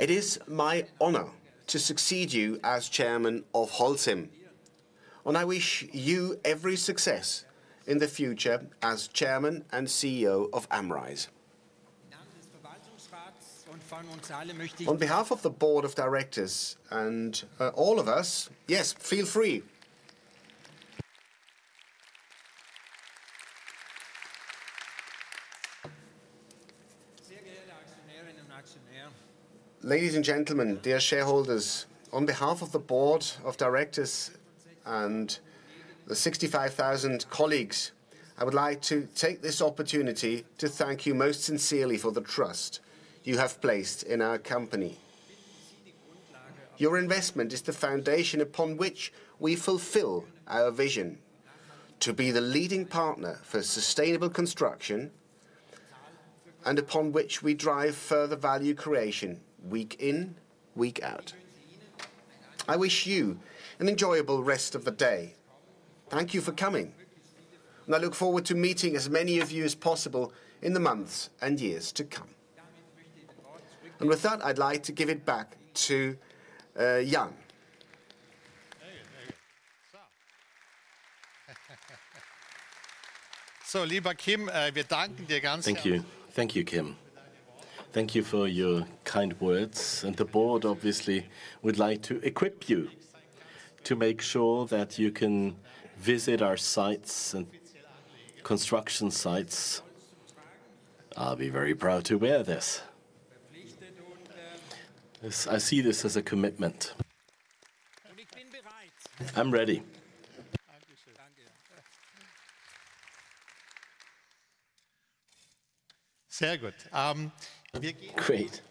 it is my honor to succeed you as Chairman of Holcim, and I wish you every success in the future as Chairman and CEO of AmRise. On behalf of the Board of Directors and all of us. Yes, feel free. Ladies and gentlemen, dear shareholders, on behalf of the Board of Directors and the 65,000 colleagues, I would like to take this opportunity to thank you most sincerely for the trust you have placed in our company. Your investment is the foundation upon which we fulfill our vision to be the leading partner for sustainable construction and upon which we drive further value creation week in, week out. I wish you an enjoyable rest of the day. Thank you for coming, and I look forward to meeting as many of you as possible in the months and years to come. With that, I'd like to give it back to Jan. So, lieber Kim, wir danken dir ganz herzlich. Thank you. Thank you, Kim. Thank you for your kind words. The board obviously would like to equip you to make sure that you can visit our sites and construction sites. I'll be very proud to wear this. I see this as a commitment. Und ich bin bereit. I'm ready. Sehr gut. Great.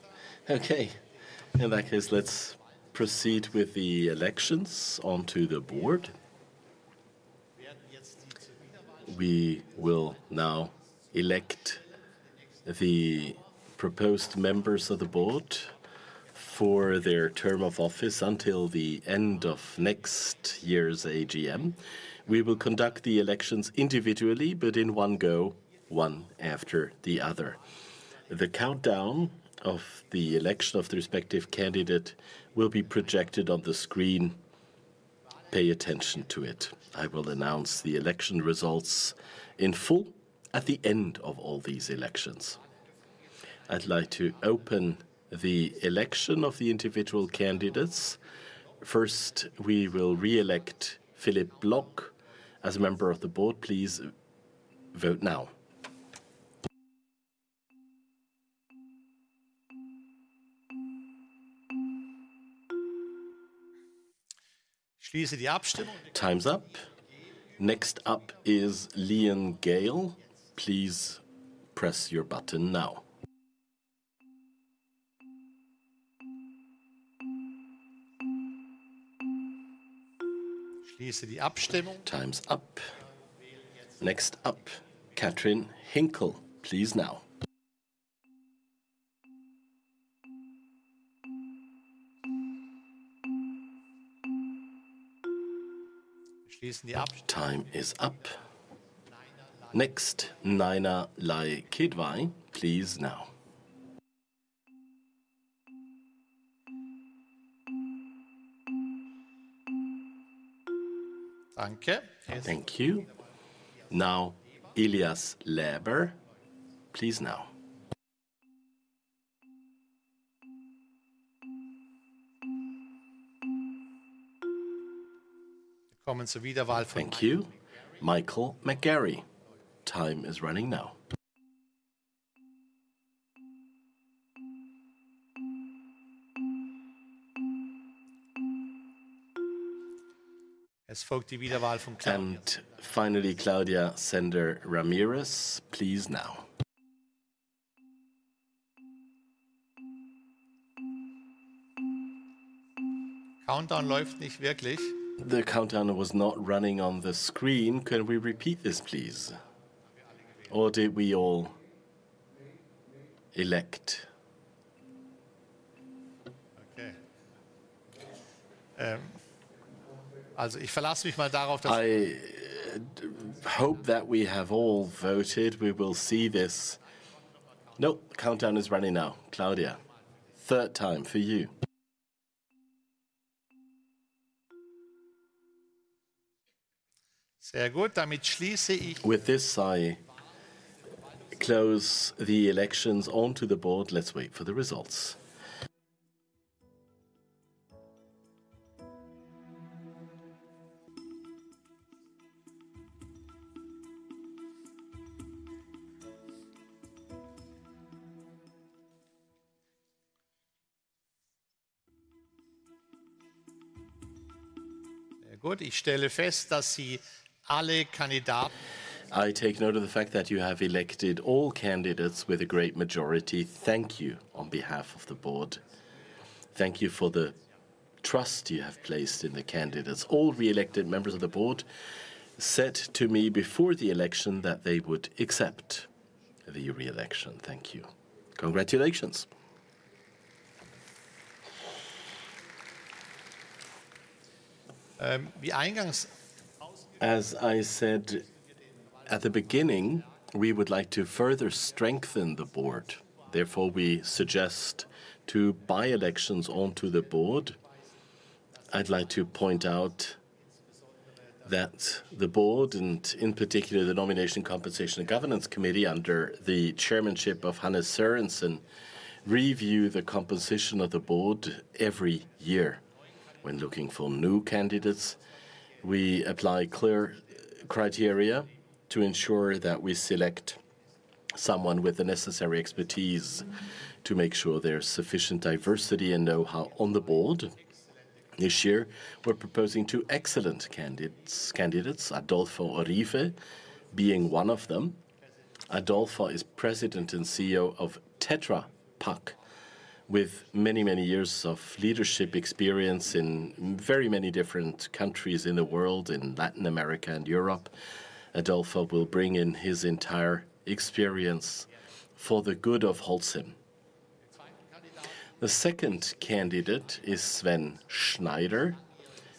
Okay. In that case, let's proceed with the elections onto the board. We will now elect the proposed members of the board for their term of office until the end of next year's AGM. We will conduct the elections individually, but in one go, one after the other. The countdown of the election of the respective candidate will be projected on the screen. Pay attention to it. I will announce the election results in full at the end of all these elections. I'd like to open the election of the individual candidates. First, we will re-elect Philipp A. Weck as a member of the board. Please vote now. Ich schließe die Abstimmung. Time's up. Next up is Lian Gayle. Please press your button now. Time's up. Next up, Kathryn Hinkel. Please now. Time is up. Next, Naina Lal Kidwai. Please now. Danke. Thank you. Now, Ilia Lips. Please now. Thank you, Michael McGarry. Time is running now. Es folgt die Wiederwahl von Claudia. And finally, Claudia Sender Ramirez. Please now. Countdown läuft nicht wirklich. The countdown was not running on the screen. Can we repeat this, please? Or did we all elect? Also, ich verlasse mich mal darauf, dass... I hope that we have all voted. We will see this. No, countdown is running now. Claudia, third time for you. Sehr gut. Damit schließe ich... With this, I close the elections onto the board. Let's wait for the results. Sehr gut. Ich stelle fest, dass Sie alle Kandidaten... I take note of the fact that you have elected all candidates with a great majority. Thank you on behalf of the board. Thank you for the trust you have placed in the candidates. All re-elected members of the board said to me before the election that they would accept the re-election. Thank you. Congratulations. Wie eingangs... As I said at the beginning, we would like to further strengthen the board. Therefore, we suggest two elections onto the board. I'd like to point out that the board, and in particular the Nomination, Compensation, and Governance Committee under the chairmanship of Hanne Sørensen, review the composition of the board every year. When looking for new candidates, we apply clear criteria to ensure that we select someone with the necessary expertise to make sure there's sufficient diversity and know-how on the board. This year, we're proposing two excellent candidates, Adolfo Uribe being one of them. Adolfo is President and CEO of Tetra Pak, with many, many years of leadership experience in very many different countries in the world, in Latin America and Europe. Adolfo will bring in his entire experience for the good of Holcim. The second candidate is Sven Schneider.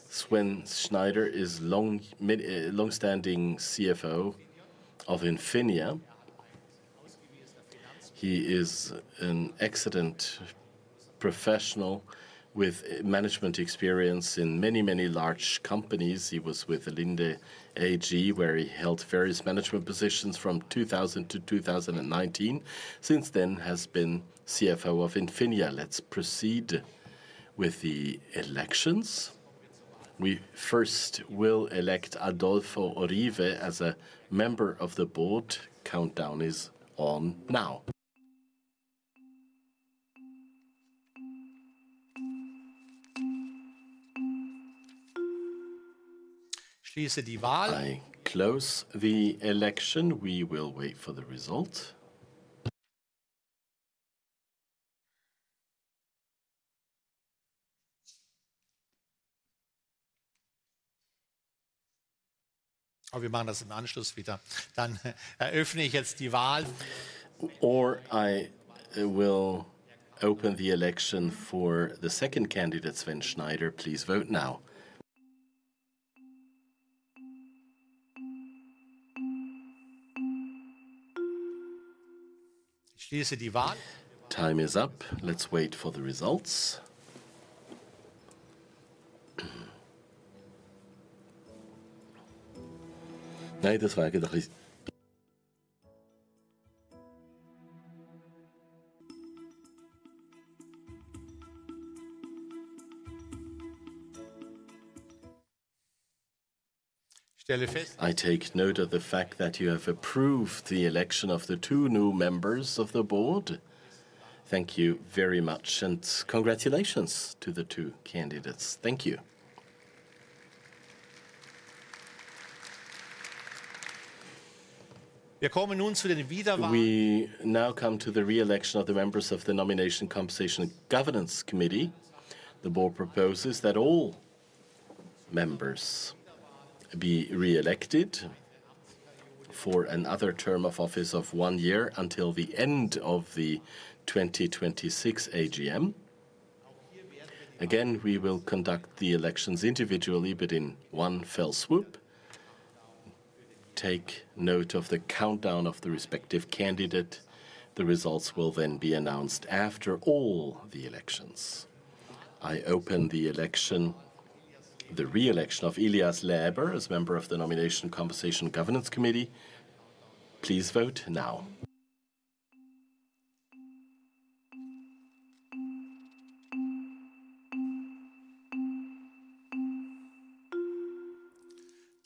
Sven Schneider is a longstanding CFO of Infineon. He is an excellent professional with management experience in many, many large companies. He was with Linde AG, where he held various management positions from 2000 to 2019. Since then, he has been CFO of Infineon. Let's proceed with the elections. We first will elect Adolfo Uribe as a member of the board. Countdown is on now. Ich schließe die Wahl. I close the election. We will wait for the result. Wir machen das im Anschluss wieder. Dann eröffne ich jetzt die Wahl. I will open the election for the second candidate, Sven Schneider. Please vote now. Ich schließe die Wahl. Time is up. Let's wait for the results. Nein, das war eigentlich. I take note of the fact that you have approved the election of the two new members of the board. Thank you very much, and congratulations to the two candidates. Thank you. Wir kommen nun zu den Wiederwahlen. We now come to the re-election of the members of the Nomination, Compensation, and Governance Committee. The board proposes that all members be re-elected for another term of office of one year until the end of the 2026 AGM. Again, we will conduct the elections individually, but in one fell swoop. Take note of the countdown of the respective candidate. The results will then be announced after all the elections. I open the re-election of Ilia Lips as a member of the Nomination, Compensation, and Governance Committee. Please vote now.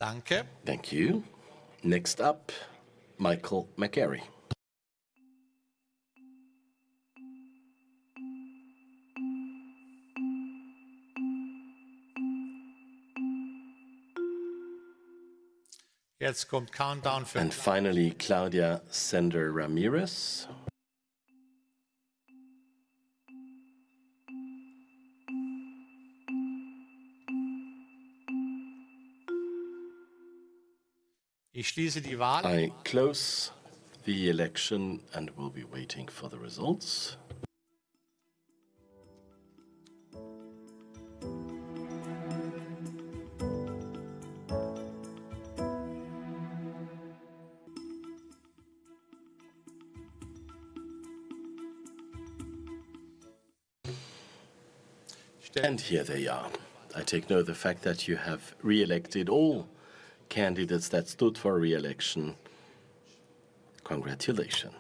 Danke. Thank you. Next up, Michael McGarry. Jetzt kommt Countdown. And finally, Claudia Sender Ramirez. Ich schließe die Wahl. I close the election and will be waiting for the results. Ich stand hier, ja. I take note of the fact that you have re-elected all candidates that stood for re-election. Congratulations.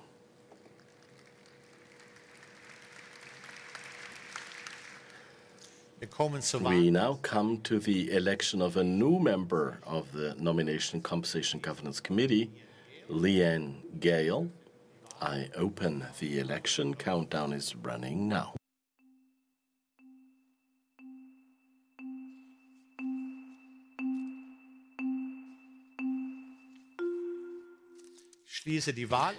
We now come to the election of a new member of the Nomination, Compensation, and Governance Committee, Lian Gayle. I open the election. Countdown is running now. Ich schließe die Wahl.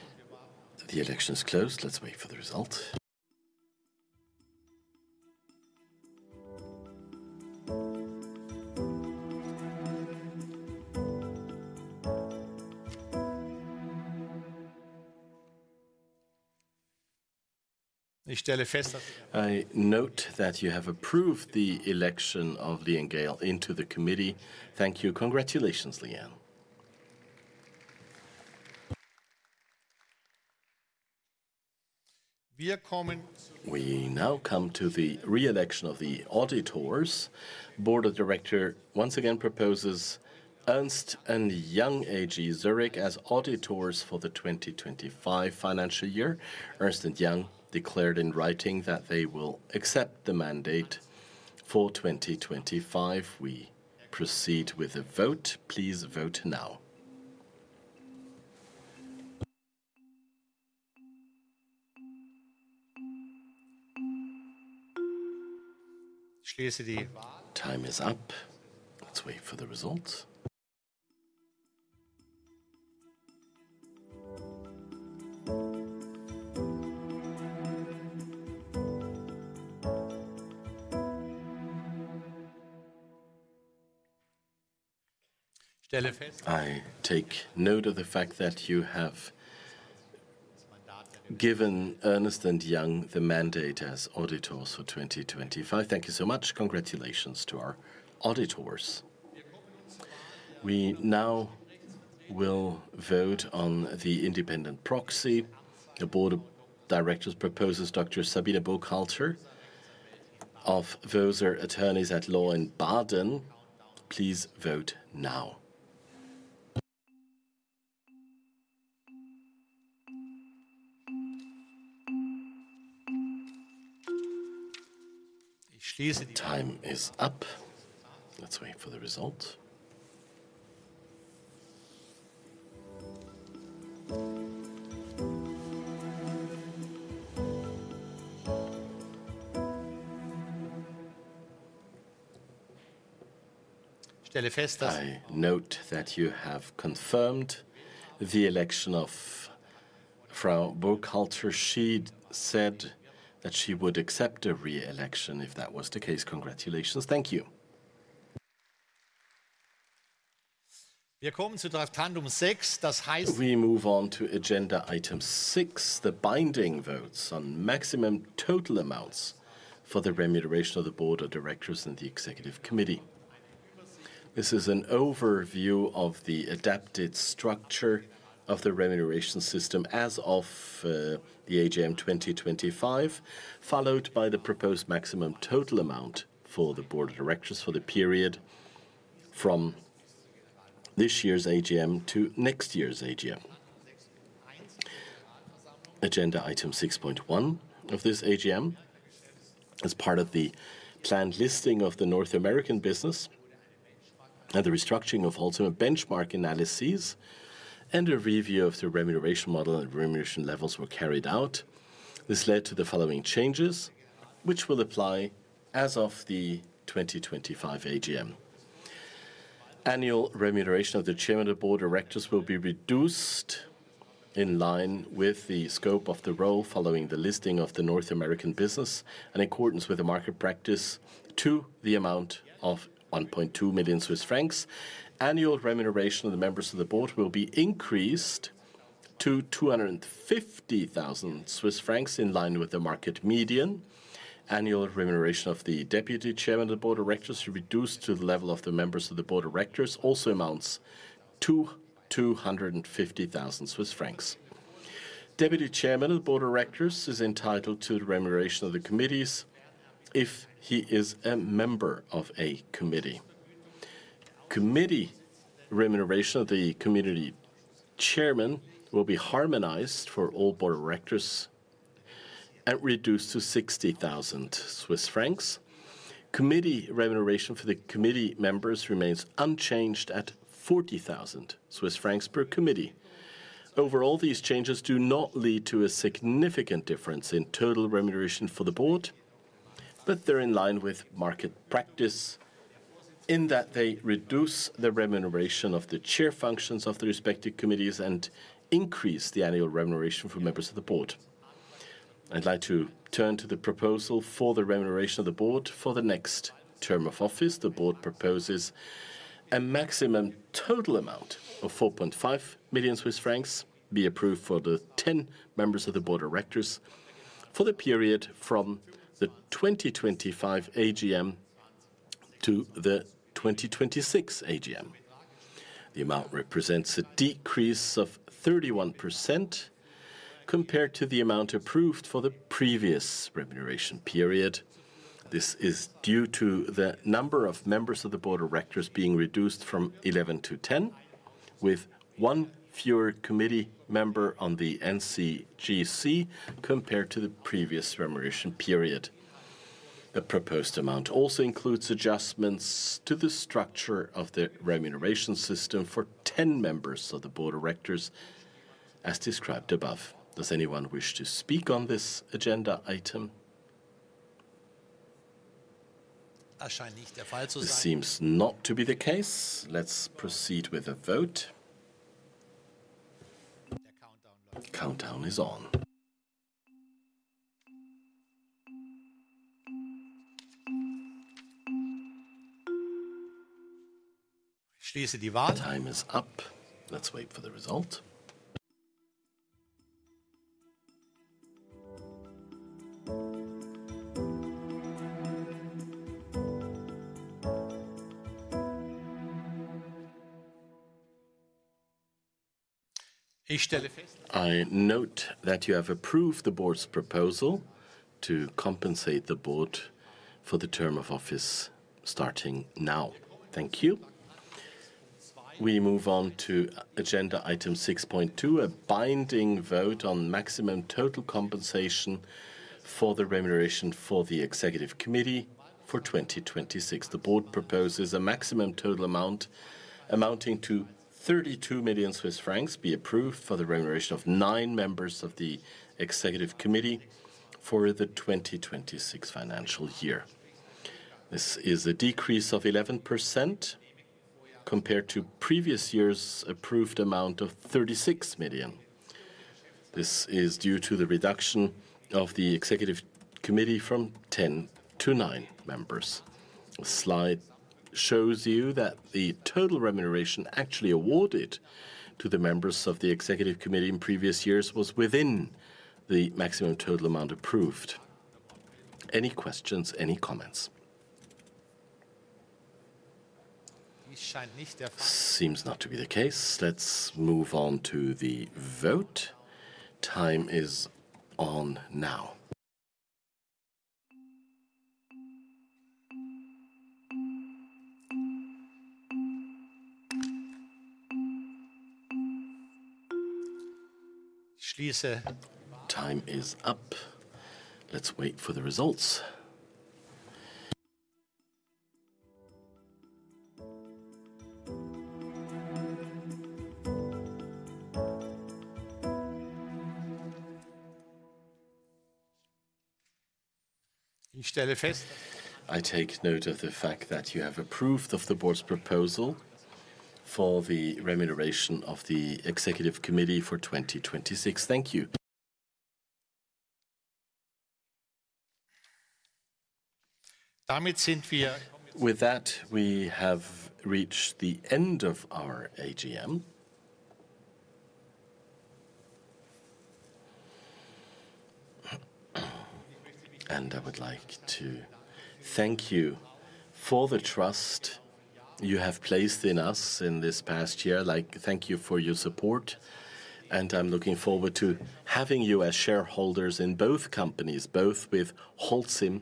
The election is closed. Let's wait for the result. Ich stelle fest, dass... I note that you have approved the election of Lian Gayle into the committee. Thank you. Congratulations, Lian. Wir kommen zu... We now come to the re-election of the auditors. Board of Directors once again proposes Ernst & Young AG Zurich as auditors for the 2025 financial year. Ernst & Young declared in writing that they will accept the mandate for 2025. We proceed with the vote. Please vote now. Ich schließe die Wahl. Time is up. Let's wait for the results. I take note of the fact that you have given Ernst & Young the mandate as auditors for 2025. Thank you so much. Congratulations to our auditors. We now will vote on the independent proxy. The Board of Directors proposes Dr. Sabine Burkhalter of Vöser Attorneys at Law in Baden. Please vote now. Ich schließe die Wahl. Time is up. Let's wait for the results. Ich stelle fest, dass... I note that you have confirmed the election of Frau Burkhalter. She said that she would accept a re-election if that was the case. Congratulations. Thank you. Wir kommen zu Traktandum sechs, das heißt... We move on to agenda item six, the binding votes on maximum total amounts for the remuneration of the Board of Directors and the Executive Committee. This is an overview of the adapted structure of the remuneration system as of the AGM 2025, followed by the proposed maximum total amount for the Board of Directors for the period from this year's AGM to next year's AGM. Agenda item 6.1 of this AGM, as part of the planned listing of the North American business and the restructuring of ultimate benchmark analyses and a review of the remuneration model and remuneration levels were carried out, this led to the following changes, which will apply as of the 2025 AGM. Annual remuneration of the Chairman of the Board of Directors will be reduced in line with the scope of the role following the listing of the North American business and in accordance with the market practice to the amount of 1.2 million Swiss francs. Annual remuneration of the members of the board will be increased to 250,000 Swiss francs in line with the market median. Annual remuneration of the Deputy Chairman of the Board of Directors, reduced to the level of the members of the Board of Directors, also amounts to 250,000 Swiss francs. Deputy Chairman of the Board of Directors is entitled to the remuneration of the committees if he is a member of a committee. Committee remuneration of the committee chairman will be harmonized for all Board of Directors and reduced to 60,000 Swiss francs. Committee remuneration for the committee members remains unchanged at 40,000 Swiss francs per committee. Overall, these changes do not lead to a significant difference in total remuneration for the board, but they're in line with market practice in that they reduce the remuneration of the chair functions of the respective committees and increase the annual remuneration for members of the board. I'd like to turn to the proposal for the remuneration of the board for the next term of office. The board proposes a maximum total amount of 4.5 million Swiss francs be approved for the 10 members of the board of directors for the period from the 2025 AGM to the 2026 AGM. The amount represents a decrease of 31% compared to the amount approved for the previous remuneration period. This is due to the number of members of the board of directors being reduced from 11 to 10, with one fewer committee member on the NCGC compared to the previous remuneration period. The proposed amount also includes adjustments to the structure of the remuneration system for 10 members of the Board of Directors, as described above. Does anyone wish to speak on this agenda item? Das scheint nicht der Fall zu sein. It seems not to be the case. Let's proceed with the vote. Countdown is on. Ich schließe die Wahl. Time is up. Let's wait for the result. Ich stelle fest, I note that you have approved the Board's proposal to compensate the Board for the term of office starting now. Thank you. We move on to agenda item 6.2, a binding vote on maximum total compensation for the remuneration for the Executive Committee for 2026. The Board proposes a maximum total amount amounting to 32 million Swiss francs be approved for the remuneration of nine members of the Executive Committee for the 2026 financial year. This is a decrease of 11% compared to previous year's approved amount of 36 million. This is due to the reduction of the executive committee from 10 to nine members. The slide shows you that the total remuneration actually awarded to the members of the executive committee in previous years was within the maximum total amount approved. Any questions, any comments? Das scheint nicht der Fall. Seems not to be the case. Let's move on to the vote. Time is on now. Ich schließe die Wahl. Time is up. Let's wait for the results. Ich stelle fest, I take note of the fact that you have approved the board's proposal for the remuneration of the executive committee for 2026. Thank you. Damit sind wir... With that, we have reached the end of our AGM. I would like to thank you for the trust you have placed in us in this past year. Like, thank you for your support. I am looking forward to having you as shareholders in both companies, both with Holcim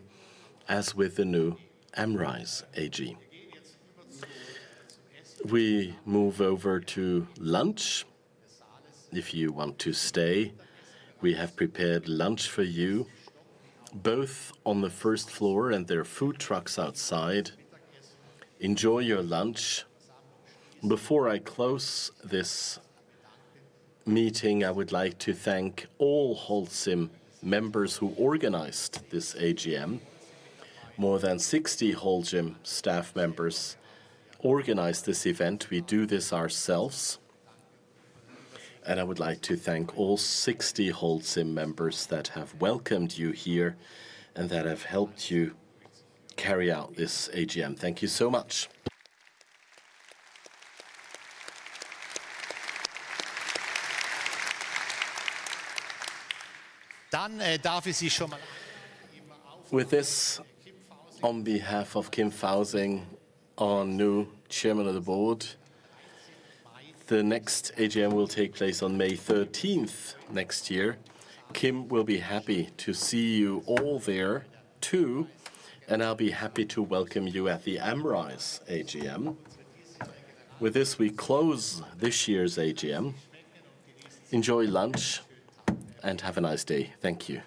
as with the new AmRise. We move over to lunch. If you want to stay, we have prepared lunch for you, both on the first floor and there are food trucks outside. Enjoy your lunch. Before I close this meeting, I would like to thank all Holcim members who organized this AGM. More than 60 Holcim staff members organized this event. We do this ourselves. I would like to thank all 60 Holcim members that have welcomed you here and that have helped you carry out this AGM. Thank you so much. Dann darf ich Sie schon mal... With this, on behalf of Kim Fausing, our new Chairman of the Board, the next AGM will take place on May 13th next year. Kim will be happy to see you all there too, and I'll be happy to welcome you at the AmRise AGM. With this, we close this year's AGM. Enjoy lunch and have a nice day. Thank you.